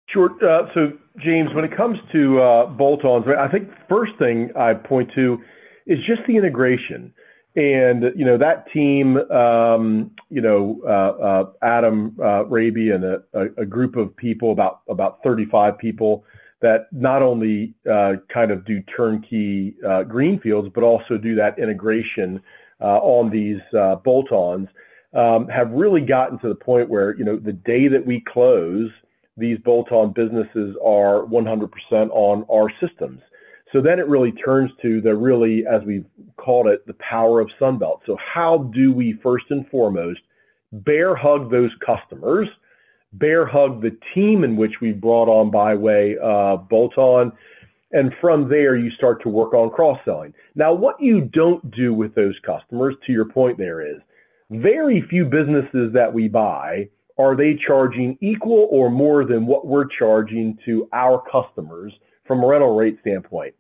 S1: Sure. So James, when it comes to bolt-ons, I think the first thing I'd point to is just the integration. You know, that team, you know, Adam Raby, and a group of people, about 35 people, that not only kind of do turnkey greenfields, but also do that integration on these bolt-ons, have really gotten to the point where, you know, the day that we close, these bolt-on businesses are 100% on our systems. So then it really turns to, really, as we've called it, the power of Sunbelt. So how do we, first and foremost, bear hug those customers, bear hug the team in which we've brought on by way of bolt-on, and from there, you start to work on cross-selling. Now, what you don't do with those customers, to your point there, is very few businesses that we buy, are they charging equal or more than what we're charging to our customers from a rental rate standpoint?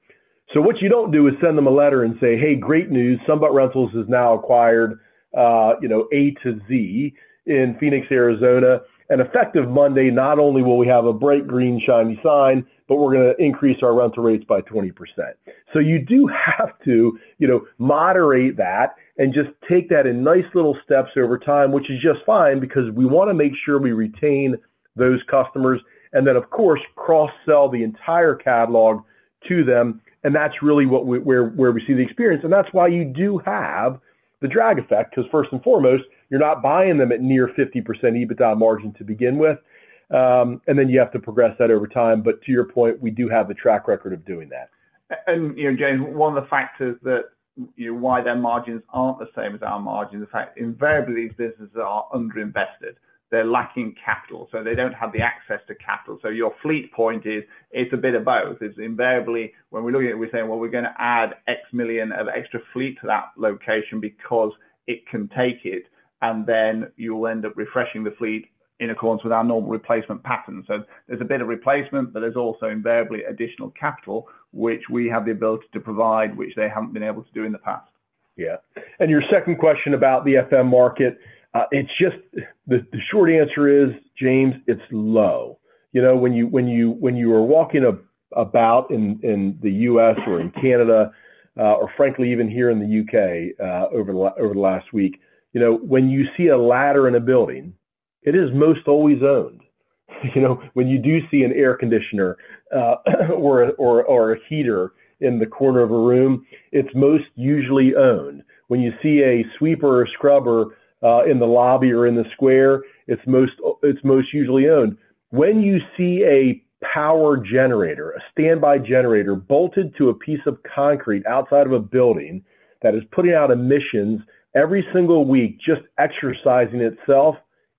S1: So what you don't do is send them a letter and say, "Hey, great news. Sunbelt Rentals has now acquired, you know, A to Z in Phoenix, Arizona, and effective Monday, not only will we have a bright, green, shiny sign, but we're gonna increase our rental rates by 20%." So you do have to, you know, moderate that and just take that in nice little steps over time, which is just fine because we wanna make sure we retain those customers and then, of course, cross-sell the entire catalog to them, and that's really where we see the experience. And that's why you do have the drag effect, because first and foremost, you're not buying them at near 50% EBITDA margin to begin with, and then you have to progress that over time. But to your point, we do have the track record of doing that.
S2: You know, James, one of the factors that, you know, why their margins aren't the same as our margins, the fact invariably, these businesses are underinvested. They're lacking capital, so they don't have the access to capital. So your fleet point is, it's a bit of both. It's invariably, when we're looking at it, we're saying, well, we're gonna add X million of extra fleet to that location because it can take it, and then you'll end up refreshing the fleet in accordance with our normal replacement pattern. So there's a bit of replacement, but there's also invariably additional capital, which we have the ability to provide, which they haven't been able to do in the past.
S1: Yeah. Your second question about the FM market, it's just... The short answer is, James, it's low. You know, when you are walking about in the US or in Canada, or frankly, even here in the UK, over the last week, you know, when you see a ladder in a building, it is most always owned. You know, when you do see an air conditioner, or a heater in the corner of a room, it's most usually owned. When you see a sweeper or scrubber in the lobby or in the square, it's most usually owned. When you see a power generator, a standby generator bolted to a piece of concrete outside of a building that is putting out emissions every single week, just exercising itself,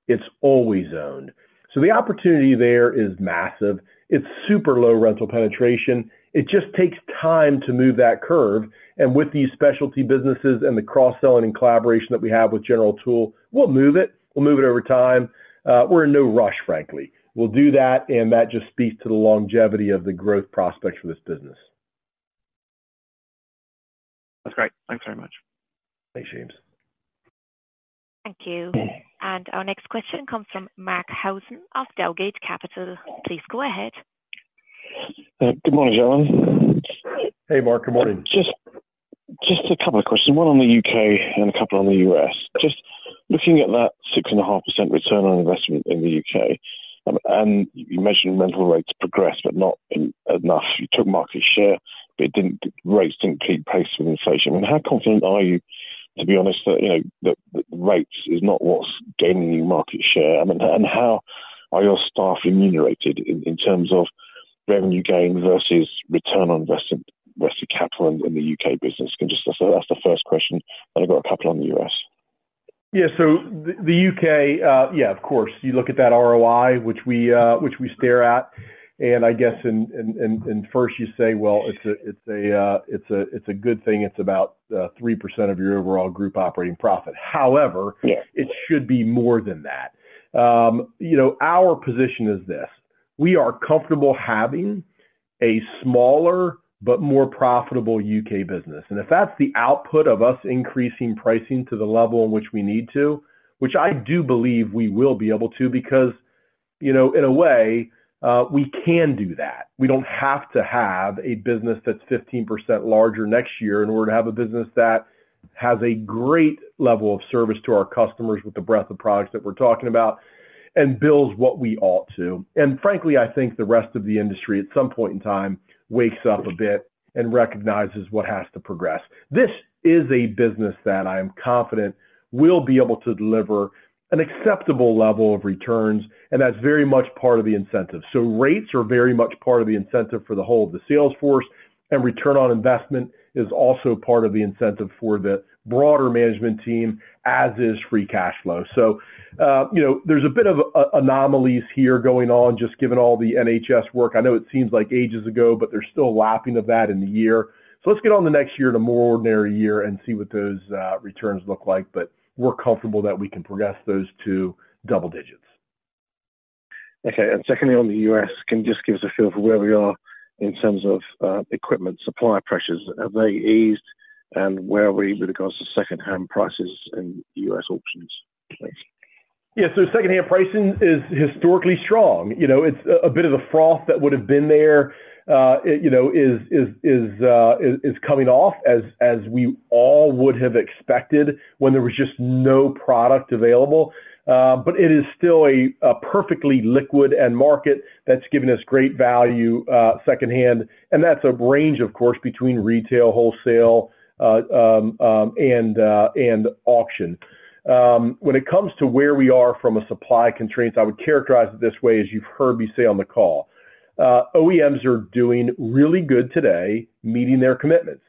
S1: it's always owned. So the opportunity there is massive. It's super low rental penetration. It just takes time to move that curve. And with these specialty businesses and the cross-selling and collaboration that we have with General Tool, we'll move it. We'll move it over time. We're in no rush, frankly. We'll do that, and that just speaks to the longevity of the growth prospects for this business.
S9: That's great. Thanks very much.
S1: Thanks, James.
S3: Thank you. And our next question comes from Mark Howson of Dowgate Capital. Please go ahead.
S10: Good morning, gentlemen.
S1: Hey, Mark. Good morning.
S10: Just, just a couple of questions, one on the UK and a couple on the US Just looking at that 6.5% return on investment in the UK, and you mentioned rental rates progressed, but not enough. You took market share, but it didn't. Rates didn't keep pace with inflation. I mean, how confident are you, to be honest, that, you know, that rates is not what's gaining you market share? And how are your staff remunerated in terms of revenue gain versus return on invested capital in the UK business? So that's the first question, and I've got a couple on the US.
S1: Yeah, so the UK. Yeah, of course. You look at that ROI, which we stare at, and I guess, first you say, well, it's a good thing, it's about 3% of your overall group operating profit. However-
S10: Yes...
S1: It should be more than that. You know, our position is this: We are comfortable having a smaller but more profitable UK business, and if that's the output of us increasing pricing to the level in which we need to, which I do believe we will be able to, because, you know, in a way, we can do that. We don't have to have a business that's 15% larger next year in order to have a business that has a great level of service to our customers with the breadth of products that we're talking about, and builds what we ought to. And frankly, I think the rest of the industry, at some point in time, wakes up a bit and recognizes what has to progress. This is a business that I am confident will be able to deliver an acceptable level of returns, and that's very much part of the incentive. So rates are very much part of the incentive for the whole of the sales force, and return on investment is also part of the incentive for the broader management team, as is free cash flow. So, you know, there's a bit of anomalies here going on, just given all the NHS work. I know it seems like ages ago, but they're still lapping of that in the year. So let's get on the next year in a more ordinary year and see what those returns look like, but we're comfortable that we can progress those to double digits.
S10: Okay, and secondly, on the US, can you just give us a feel for where we are in terms of equipment supply pressures? Have they eased, and where are we with regards to secondhand prices and US auctions? Thanks.
S1: Yeah. So secondhand pricing is historically strong. You know, it's a bit of the froth that would have been there, it, you know, is coming off as we all would have expected when there was just no product available. But it is still a perfectly liquid end market that's giving us great value secondhand, and that's a range, of course, between retail, wholesale, and auction. When it comes to where we are from a supply constraints, I would characterize it this way, as you've heard me say on the call. OEMs are doing really good today, meeting their commitments.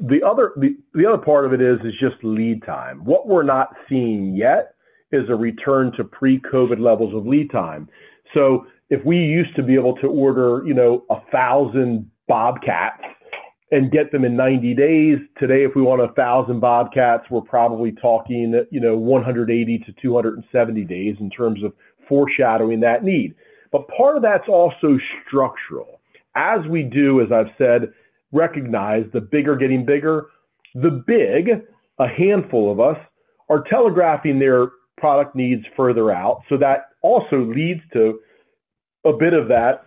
S1: The other part of it is just lead time. What we're not seeing yet is a return to pre-COVID levels of lead time. So if we used to be able to order, you know, 1,000 Bobcats and get them in 90 days, today, if we want 1,000 Bobcats, we're probably talking, you know, 180-270 days in terms of foreshadowing that need. But part of that's also structural. As we do, as I've said, recognize the bigger getting bigger, the big, a handful of us, are telegraphing their product needs further out. So that also leads to a bit of that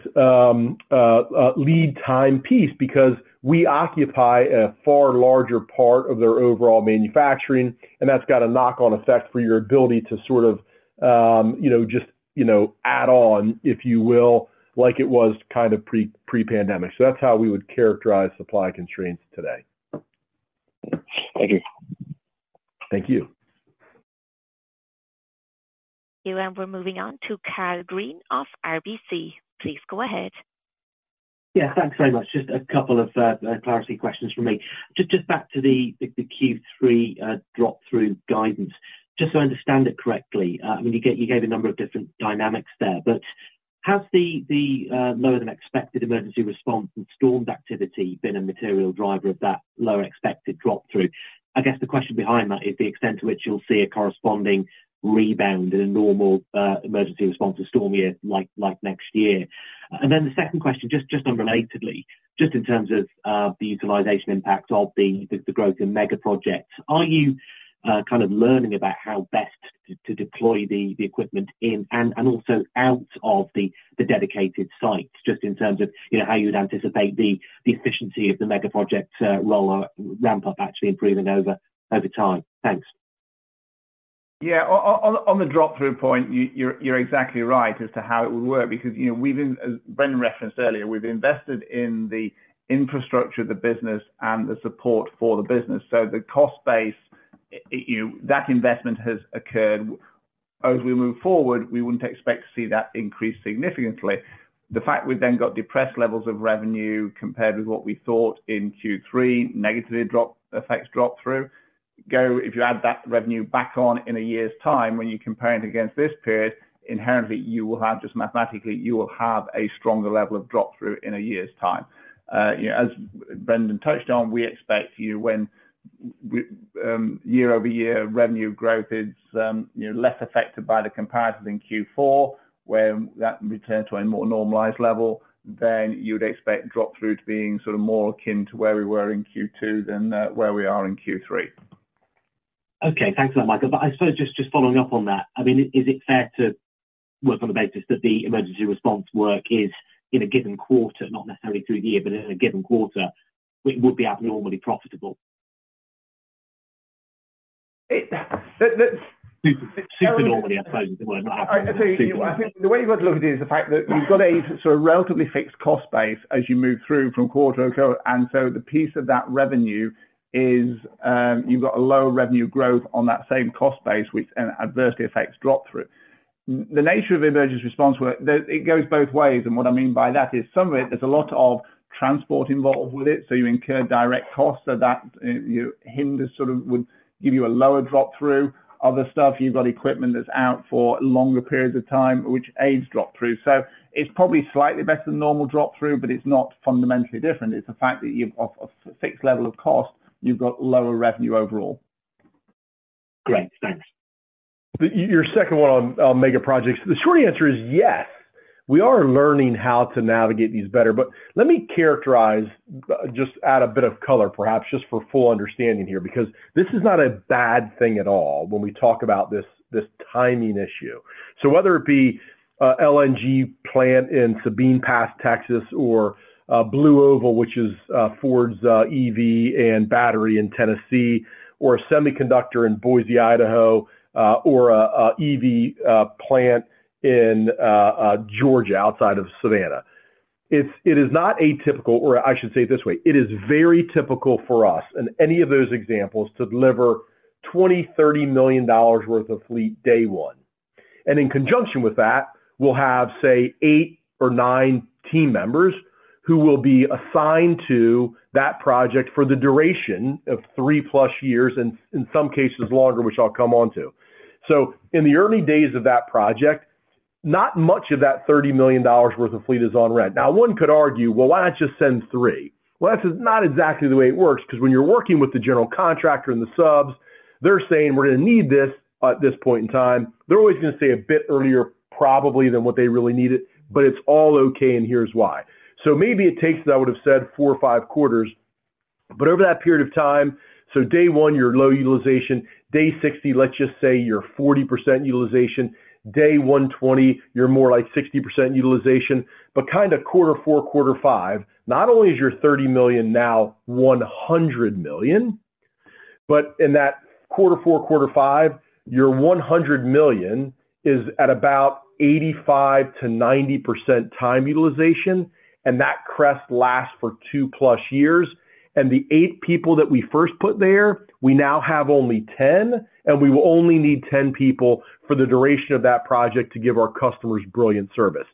S1: lead time piece because we occupy a far larger part of their overall manufacturing, and that's got a knock-on effect for your ability to sort of, you know, just, you know, add on, if you will, like it was kind of pre-pandemic. So that's how we would characterize supply constraints today.
S10: Thank you.
S1: Thank you.
S3: We're moving on to Karl Green of RBC. Please go ahead.
S11: Yeah, thanks very much. Just a couple of clarity questions from me. Just back to the Q3 drop-through guidance. Just so I understand it correctly, I mean, you gave a number of different dynamics there, but has the lower than expected emergency response and storm activity been a material driver of that lower expected drop-through? I guess the question behind that is the extent to which you'll see a corresponding rebound in a normal emergency response or storm year, like next year. Then the second question, just unrelatedly, just in terms of the utilization impacts of the growth in mega projects, are you kind of learning about how best to deploy the equipment in and also out of the dedicated sites, just in terms of, you know, how you would anticipate the efficiency of the mega projects roll out, ramp up, actually improving over time? Thanks.
S2: Yeah. On the drop-through point, you're exactly right as to how it would work, because, you know, we've been, as Brendan referenced earlier, we've invested in the infrastructure of the business and the support for the business. So the cost base, you know, that investment has occurred. As we move forward, we wouldn't expect to see that increase significantly. The fact we've then got depressed levels of revenue compared with what we thought in Q3 negatively affects drop-through. If you add that revenue back on in a year's time, when you compare it against this period, inherently, you will have, just mathematically, you will have a stronger level of drop-through in a year's time. You know, as Brendan touched on, we expect when year-over-year revenue growth is, you know, less affected by the comparisons in Q4, when that return to a more normalized level, then you'd expect drop-through to being sort of more akin to where we were in Q2 than where we are in Q3.
S11: Okay. Thanks a lot, Michael. But I suppose just, just following up on that, I mean, is it fair to work on the basis that the emergency response work is in a given quarter, not necessarily through the year, but in a given quarter, it would be abnormally profitable?
S2: That, that-
S11: Super normally, I suppose, the word.
S2: I tell you, I think the way you got to look at it is the fact that you've got a sort of relatively fixed cost base as you move through from quarter-to-quarter, and so the piece of that revenue is, you've got a lower revenue growth on that same cost base, which adversely affects drop-through. The nature of emergency response work, it goes both ways, and what I mean by that is some of it, there's a lot of transport involved with it, so you incur direct costs, so that you know, hinders sort of would give you a lower drop-through. Other stuff, you've got equipment that's out for longer periods of time, which aids drop-through. So it's probably slightly better than normal drop-through, but it's not fundamentally different. It's the fact that you have a fixed level of cost, you've got lower revenue overall.
S11: Great. Thanks.
S1: Your second one on mega projects, the short answer is yes... We are learning how to navigate these better, but let me characterize, just add a bit of color, perhaps just for full understanding here, because this is not a bad thing at all when we talk about this, this timing issue. So whether it be, LNG plant in Sabine Pass, Texas, or, BlueOval, which is, Ford's, EV and battery in Tennessee, or a semiconductor in Boise, Idaho, or a, EV, plant in, Georgia, outside of Savannah. It is not atypical, or I should say it this way, it is very typical for us in any of those examples, to deliver $20-$30 million worth of fleet, day one. And in conjunction with that, we'll have, say, 8 or 9 team members who will be assigned to that project for the duration of 3+ years, and in some cases longer, which I'll come on to. So in the early days of that project, not much of that $30 million worth of fleet is on rent. Now, one could argue, "Well, why not just send 3?" Well, that's not exactly the way it works, 'cause when you're working with the general contractor and the subs, they're saying, "We're gonna need this at this point in time." They're always gonna say a bit earlier probably than what they really need it, but it's all okay, and here's why. So maybe it takes, I would've said, 4 or 5 quarters, but over that period of time... So day 1, you're low utilization. Day 60, let's just say you're 40% utilization. Day 120, you're more like 60% utilization, but kinda Q4, Q5, not only is your $30 million now $100 million, but in that Q4, Q5, your $100 million is at about 85%-90% time utilization, and that crest lasts for 2+ years. The 8 people that we first put there, we now have only 10, and we will only need 10 people for the duration of that project to give our customers brilliant service.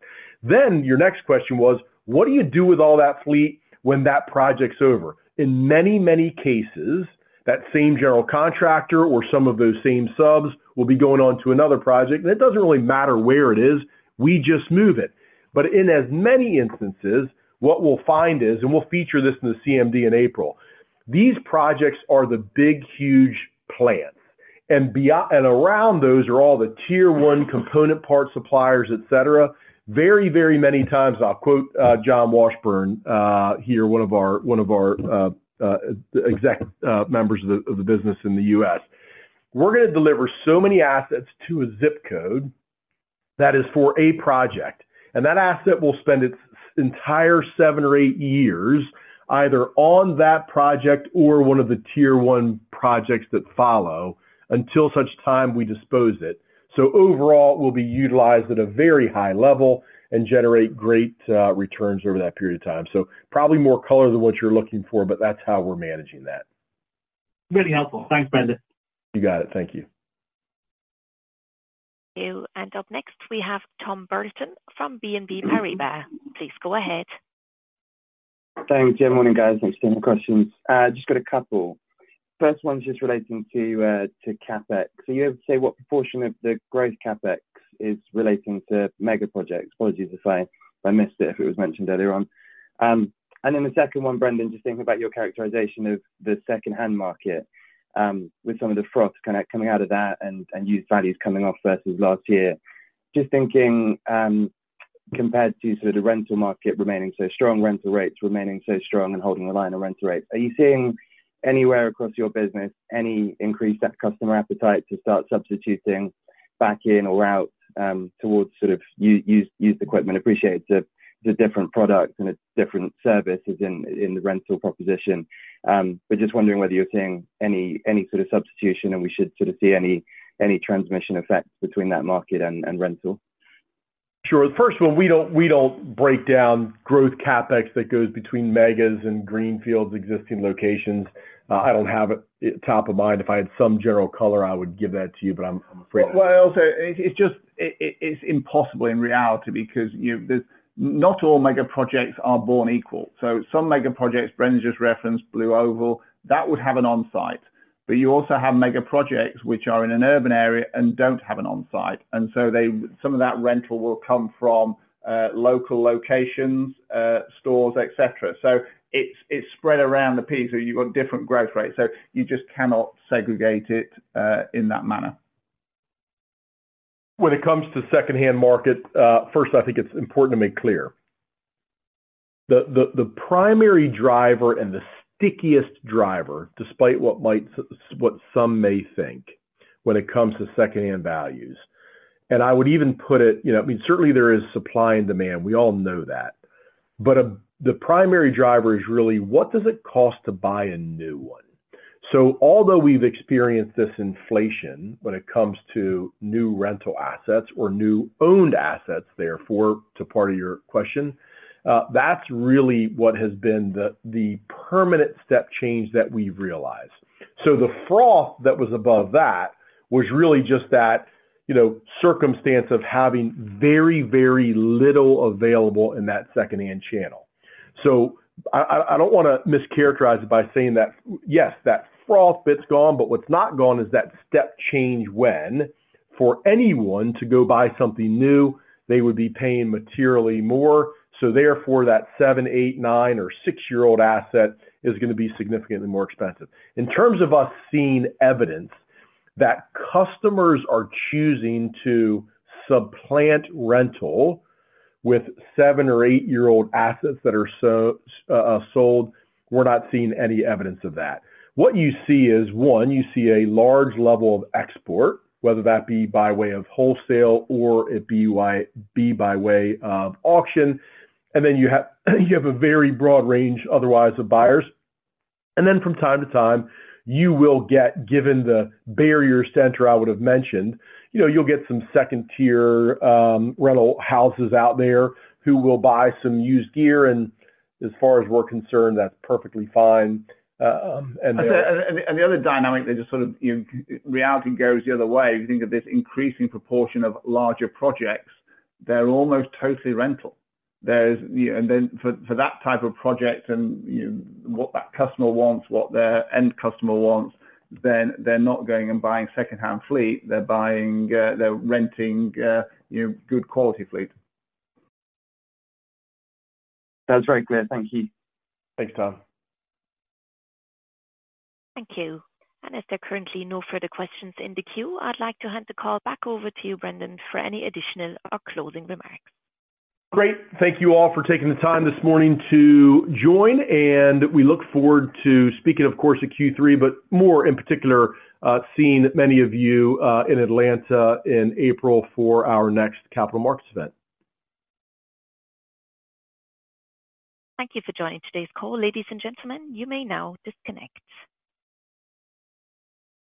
S1: Then your next question was, what do you do with all that fleet when that project's over? In many, many cases, that same general contractor or some of those same subs will be going on to another project, and it doesn't really matter where it is, we just move it. But in as many instances, what we'll find is, and we'll feature this in the CMD in April, these projects are the big, huge plants, and beyond and around those are all the Tier 1 component parts, suppliers, et cetera. Very, very many times, I'll quote John Washburn here, one of our executive members of the business in the US. "We're gonna deliver so many assets to a zip code that is for a project, and that asset will spend its entire 7 or 8 years either on that project or one of the Tier 1 projects that follow, until such time we dispose it." So overall, we'll be utilized at a very high level and generate great returns over that period of time. So probably more color than what you're looking for, but that's how we're managing that.
S11: Really helpful. Thanks, Brendan.
S1: You got it. Thank you.
S3: Thank you. Up next, we have Tom Burlton from BMO Capital Markets. Please go ahead.
S12: Thanks. Good morning, guys. Thanks for taking my questions. Just got a couple. First one is just relating to CapEx. So you ever say what proportion of the growth CapEx is relating to mega projects? Apologies if I missed it, if it was mentioned earlier on. And then the second one, Brendan, just thinking about your characterization of the secondhand market, with some of the froth kinda coming out of that and used values coming off versus last year. Just thinking, compared to sort of rental market remaining so strong, rental rates remaining so strong and holding the line on rental rates. Are you seeing anywhere across your business any increased customer appetite to start substituting back in or out towards sort of used equipment? Appreciate it's a, it's a different product and it's different services in, in the rental proposition, but just wondering whether you're seeing any, any sort of substitution and we should sort of see any, any transmission effects between that market and, and rental?
S1: Sure. The first one, we don't, we don't break down growth CapEx that goes between megas and greenfields existing locations. I don't have it top of mind. If I had some general color, I would give that to you, but I'm afraid-
S2: Well, well, so it's just, it's impossible in reality, because you... There's not all megaprojects are born equal. So some megaprojects, Brendan just referenced Blue Oval, that would have an on-site, but you also have megaprojects, which are in an urban area and don't have an on-site, and so they some of that rental will come from local locations, stores, et cetera. So it's spread around the piece, so you've got different growth rates, so you just cannot segregate it in that manner.
S1: When it comes to secondhand market, first, I think it's important to make clear. The primary driver and the stickiest driver, despite what some may think when it comes to secondhand values, and I would even put it... You know, I mean, certainly there is supply and demand, we all know that, but, the primary driver is really: what does it cost to buy a new one? So although we've experienced this inflation when it comes to new rental assets or new owned assets, therefore, to part of your question, that's really what has been the permanent step change that we've realized. So the froth that was above that was really just that, you know, circumstance of having very, very little available in that secondhand channel. So I don't wanna mischaracterize it by saying that, yes, that froth bit's gone, but what's not gone is that step change when for anyone to go buy something new, they would be paying materially more. So therefore, that 7-, 8-, 9-, or 6-year-old asset is gonna be significantly more expensive. In terms of us seeing evidence that customers are choosing to supplant rental with 7- or 8-year-old assets that are so sold, we're not seeing any evidence of that. What you see is, one, you see a large level of export, whether that be by way of wholesale or it be by way of auction, and then you have a very broad range otherwise of buyers. And then from time to time, you will get... Given the barriers to entry I would have mentioned, you know, you'll get some Tier 2 rental houses out there who will buy some used gear, and as far as we're concerned, that's perfectly fine, and then-
S2: And the other dynamic that just sort of, you know, reality goes the other way, if you think of this increasing proportion of larger projects, they're almost totally rental. There's, you know... And then for that type of project and, you know, what that customer wants, what their end customer wants, then they're not going and buying secondhand fleet, they're buying, they're renting, you know, good quality fleet.
S12: That's very clear. Thank you.
S2: Thanks, Tom.
S3: Thank you. As there are currently no further questions in the queue, I'd like to hand the call back over to you, Brendan, for any additional or closing remarks.
S1: Great. Thank you all for taking the time this morning to join, and we look forward to speaking, of course, at Q3, but more in particular, seeing many of you, in Atlanta in April for our next capital markets event.
S3: Thank you for joining today's call. Ladies and gentlemen, you may now disconnect.